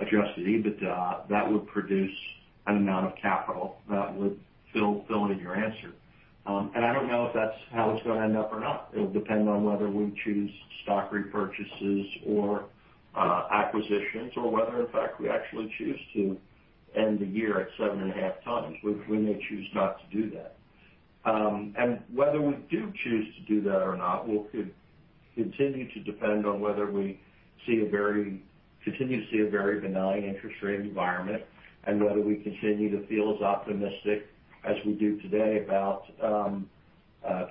adjusted EBITDA, that would produce an amount of capital that would fill in your answer. I don't know if that's how it's going to end up or not. It'll depend on whether we choose stock repurchases or acquisitions or whether, in fact, we actually choose to end the year at 7.5x. We may choose not to do that. Whether we do choose to do that or not, we could continue to depend on whether we continue to see a very benign interest rate environment and whether we continue to feel as optimistic as we do today about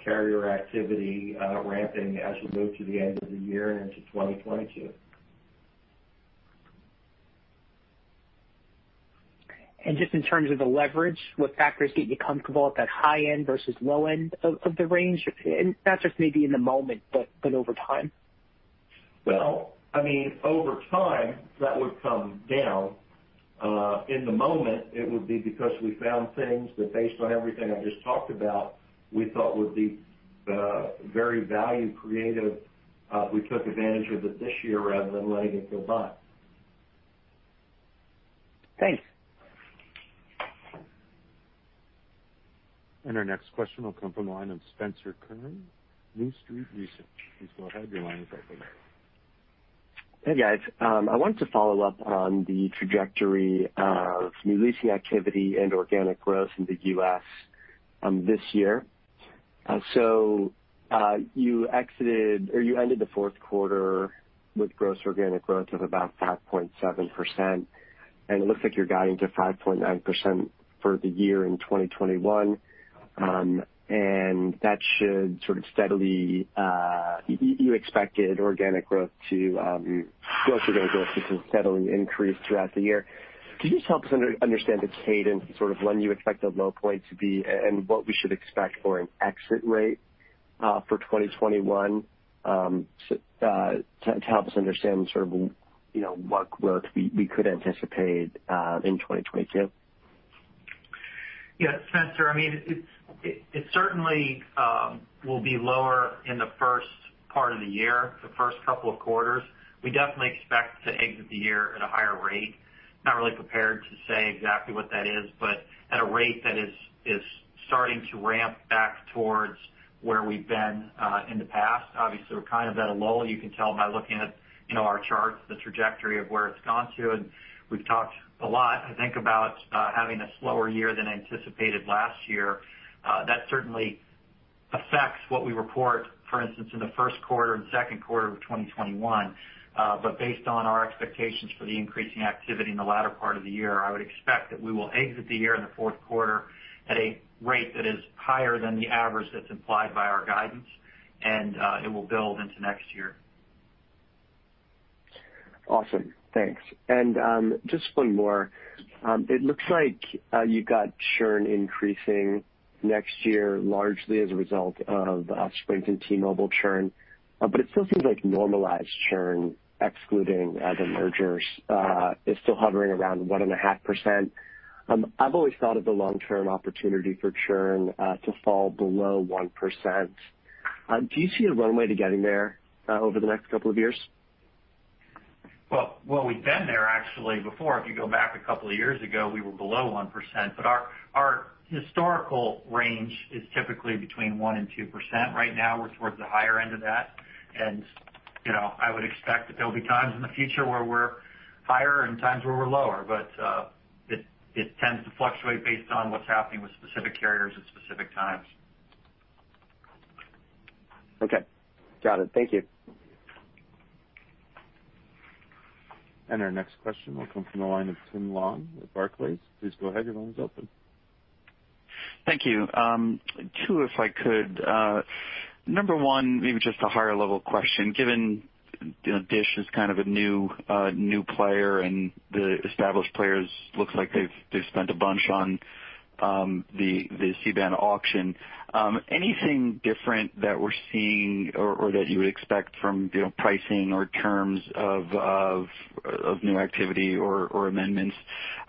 carrier activity ramping as we move to the end of the year and into 2022. Just in terms of the leverage, what factors get you comfortable at that high end versus low end of the range? Not just maybe in the moment, but over time? Well, I mean, over time, that would come down. In the moment, it would be because we found things that, based on everything I just talked about, we thought would be very value-creative. We took advantage of it this year rather than letting it go by. Thanks. Our next question will come from the line of Spencer Kurn, New Street Research. Please go ahead. Your line is open. Hey, guys. I wanted to follow up on the trajectory of new leasing activity and organic growth in the U.S. this year. So you ended the fourth quarter with gross organic growth of about 5.7%. And it looks like you're guiding to 5.9% for the year in 2021. And that should sort of steadily—you expected organic growth to—gross organic growth to steadily increase throughout the year. Could you just help us understand the cadence, sort of when you expect the low point to be and what we should expect for an exit rate for 2021 to help us understand sort of what growth we could anticipate in 2022? Yeah. Spencer, I mean, it certainly will be lower in the first part of the year, the first couple of quarters. We definitely expect to exit the year at a higher rate. Not really prepared to say exactly what that is, but at a rate that is starting to ramp back towards where we've been in the past. Obviously, we're kind of at a lull. You can tell by looking at our charts, the trajectory of where it's gone to. And we've talked a lot, I think, about having a slower year than anticipated last year. That certainly affects what we report, for instance, in the first quarter and second quarter of 2021. But based on our expectations for the increasing activity in the latter part of the year, I would expect that we will exit the year in the fourth quarter at a rate that is higher than the average that's implied by our guidance, and it will build into next year. Awesome. Thanks. And just one more. It looks like you've got churn increasing next year largely as a result of Sprint and T-Mobile churn. But it still seems like normalized churn, excluding other mergers, is still hovering around 1.5%. I've always thought of the long-term opportunity for churn to fall below 1%. Do you see a runway to getting there over the next couple of years? Well, we've been there actually before. If you go back a couple of years ago, we were below 1%. But our historical range is typically between 1% and 2%. Right now, we're towards the higher end of that. And I would expect that there will be times in the future where we're higher and times where we're lower. But it tends to fluctuate based on what's happening with specific carriers at specific times. Okay. Got it. Thank you. Our next question will come from the line of Tim Long with Barclays. Please go ahead. Your line is open. Thank you. Two, if I could. Number one, maybe just a higher-level question. Given DISH is kind of a new player, and the established players looks like they've spent a bunch on the C-band auction, anything different that we're seeing or that you would expect from pricing or terms of new activity or amendments?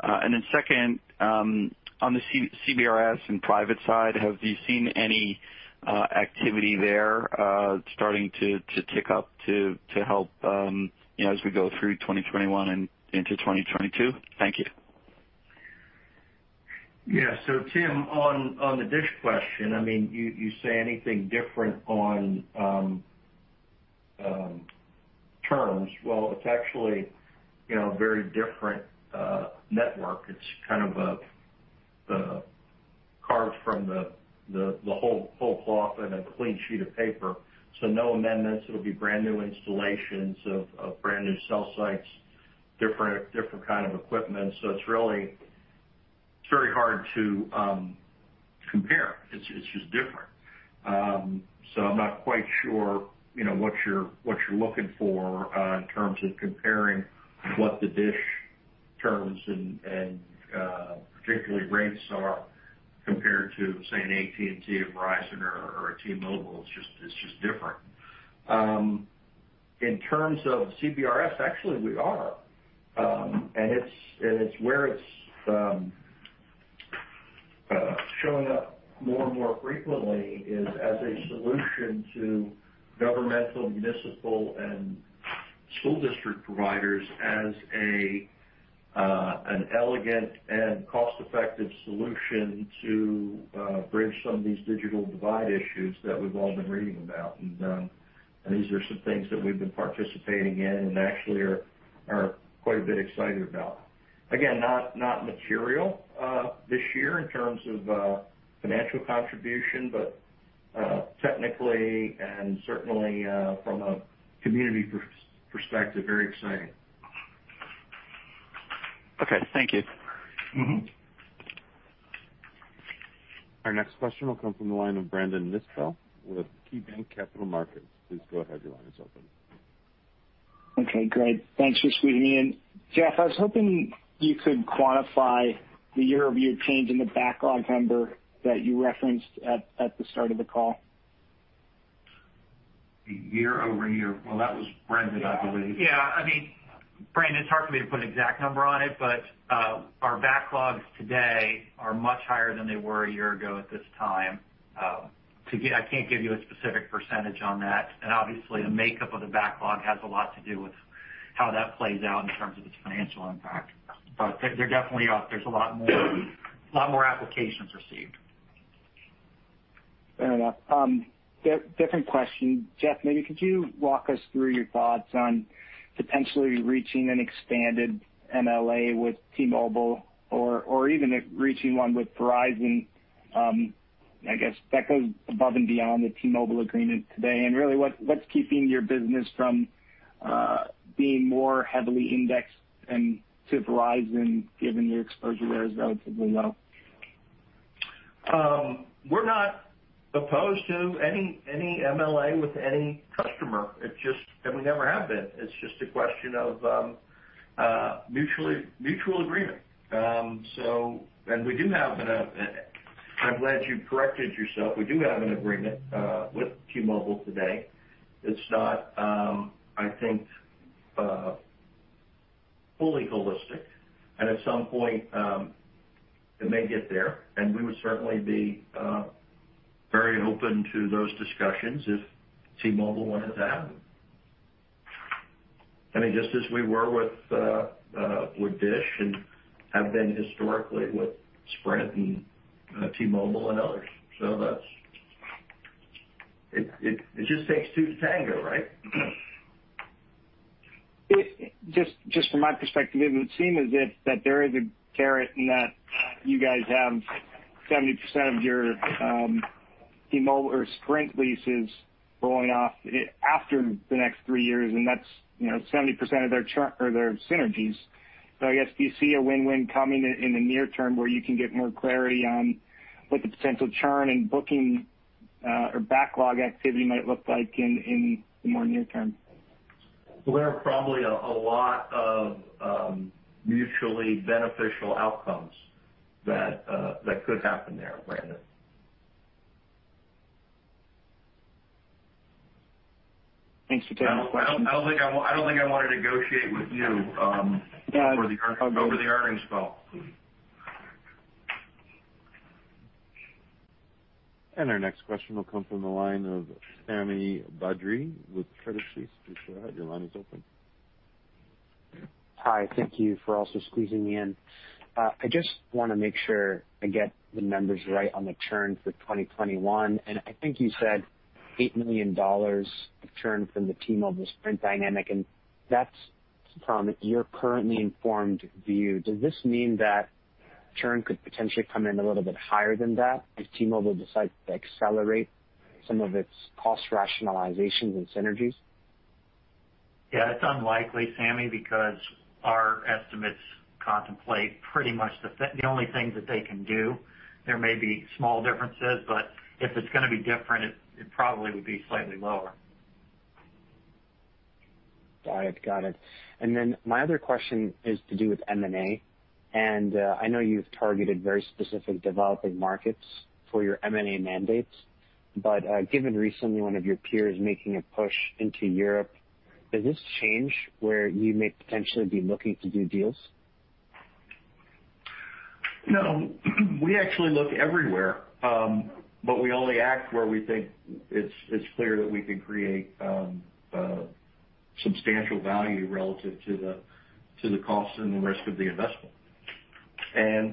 And then second, on the CBRS and private side, have you seen any activity there starting to tick up to help as we go through 2021 and into 2022? Thank you. Yeah. So Tim, on the DISH question, I mean, you say anything different on terms. Well, it's actually a very different network. It's kind of carved from the whole cloth and a clean sheet of paper. So no amendments. It'll be brand new installations of brand new cell sites, different kinds of equipment. So it's really very hard to compare. It's just different. So I'm not quite sure what you're looking for in terms of comparing what the DISH terms and particularly rates are compared to, say, an AT&T, a Verizon, or a T-Mobile. It's just different. In terms of CBRS, actually, we are. And it's where it's showing up more and more frequently as a solution to governmental, municipal, and school district providers as an elegant and cost-effective solution to bridge some of these digital divide issues that we've all been reading about. These are some things that we've been participating in and actually are quite a bit excited about. Again, not material this year in terms of financial contribution, but technically and certainly from a community perspective, very exciting. Okay. Thank you. Our next question will come from the line of Brandon Nispel with KeyBanc Capital Markets. Please go ahead. Your line is open. Okay. Great. Thanks for squeezing me in. Jeff, I was hoping you could quantify the year-over-year change in the backlog number that you referenced at the start of the call. Year-over-year. Well, that was Brandon, I believe. Yeah. I mean, Brandon, it's hard for me to put an exact number on it, but our backlogs today are much higher than they were a year ago at this time. I can't give you a specific percentage on that. And obviously, the makeup of the backlog has a lot to do with how that plays out in terms of its financial impact. But there's a lot more applications received. Fair enough. Different question. Jeff, maybe could you walk us through your thoughts on potentially reaching an expanded MLA with T-Mobile or even reaching one with Verizon? I guess that goes above and beyond the T-Mobile agreement today. And really, what's keeping your business from being more heavily indexed to Verizon, given your exposure there is relatively low? We're not opposed to any MLA with any customer. And we never have been. It's just a question of mutual agreement. And we do have an. I'm glad you corrected yourself. We do have an agreement with T-Mobile today. It's not, I think, fully holistic. And at some point, it may get there. And we would certainly be very open to those discussions if T-Mobile wanted to have them. I mean, just as we were with DISH and have been historically with Sprint and T-Mobile and others. So it just takes two to tango, right? Just from my perspective, it would seem as if there is a carrot in that you guys have 70% of your T-Mobile or Sprint leases rolling off after the next three years, and that's 70% of their synergies. So I guess, do you see a win-win coming in the near term where you can get more clarity on what the potential churn and booking or backlog activity might look like in the more near term? There are probably a lot of mutually beneficial outcomes that could happen there, Brandon. Thanks for taking the question. I don't think I want to negotiate with you over the earnings call. Our next question will come from the line of Sami Badri with Credit Suisse. Please go ahead. Your line is open. Hi. Thank you for also squeezing me in. I just want to make sure I get the numbers right on the churn for 2021. I think you said $8 million of churn from the T-Mobile Sprint dynamic. That's from your currently informed view. Does this mean that churn could potentially come in a little bit higher than that if T-Mobile decides to accelerate some of its cost rationalizations and synergies? Yeah. It's unlikely, Sami, because our estimates contemplate pretty much the only things that they can do. There may be small differences, but if it's going to be different, it probably would be slightly lower. Got it. Got it. And then my other question is to do with M&A. And I know you've targeted very specific developing markets for your M&A mandates. But given recently one of your peers making a push into Europe, does this change where you may potentially be looking to do deals? No. We actually look everywhere, but we only act where we think it's clear that we can create substantial value relative to the cost and the risk of the investment.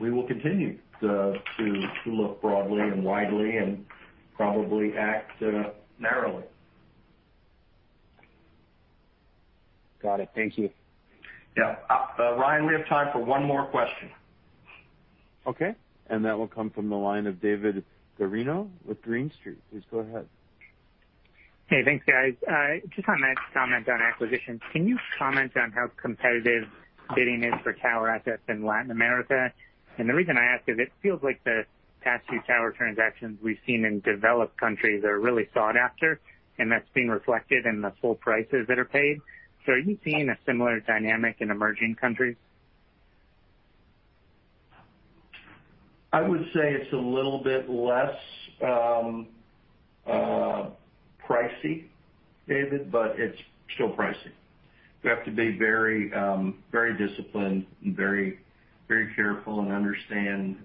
We will continue to look broadly and widely and probably act narrowly. Got it. Thank you. Yeah. Ryan, we have time for one more question. Okay. And that will come from the line of David Guarino with Green Street. Please go ahead. Hey. Thanks, guys. Just on my next comment on acquisitions, can you comment on how competitive bidding is for tower assets in Latin America? And the reason I ask is it feels like the past few tower transactions we've seen in developed countries are really sought after, and that's being reflected in the full prices that are paid. So are you seeing a similar dynamic in emerging countries? I would say it's a little bit less pricey, David, but it's still pricey. You have to be very disciplined and very careful and understand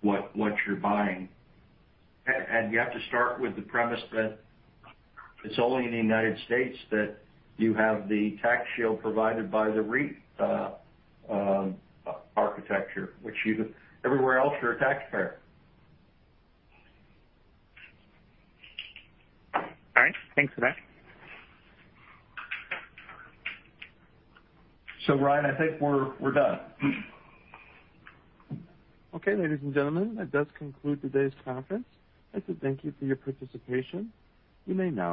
what you're buying. And you have to start with the premise that it's only in the United States that you have the tax shield provided by the REIT architecture, which everywhere else you're a taxpayer. All right. Thanks for that. Ryan, I think we're done. Okay. Ladies and gentlemen, that does conclude today's conference. I'd like to thank you for your participation. You may now.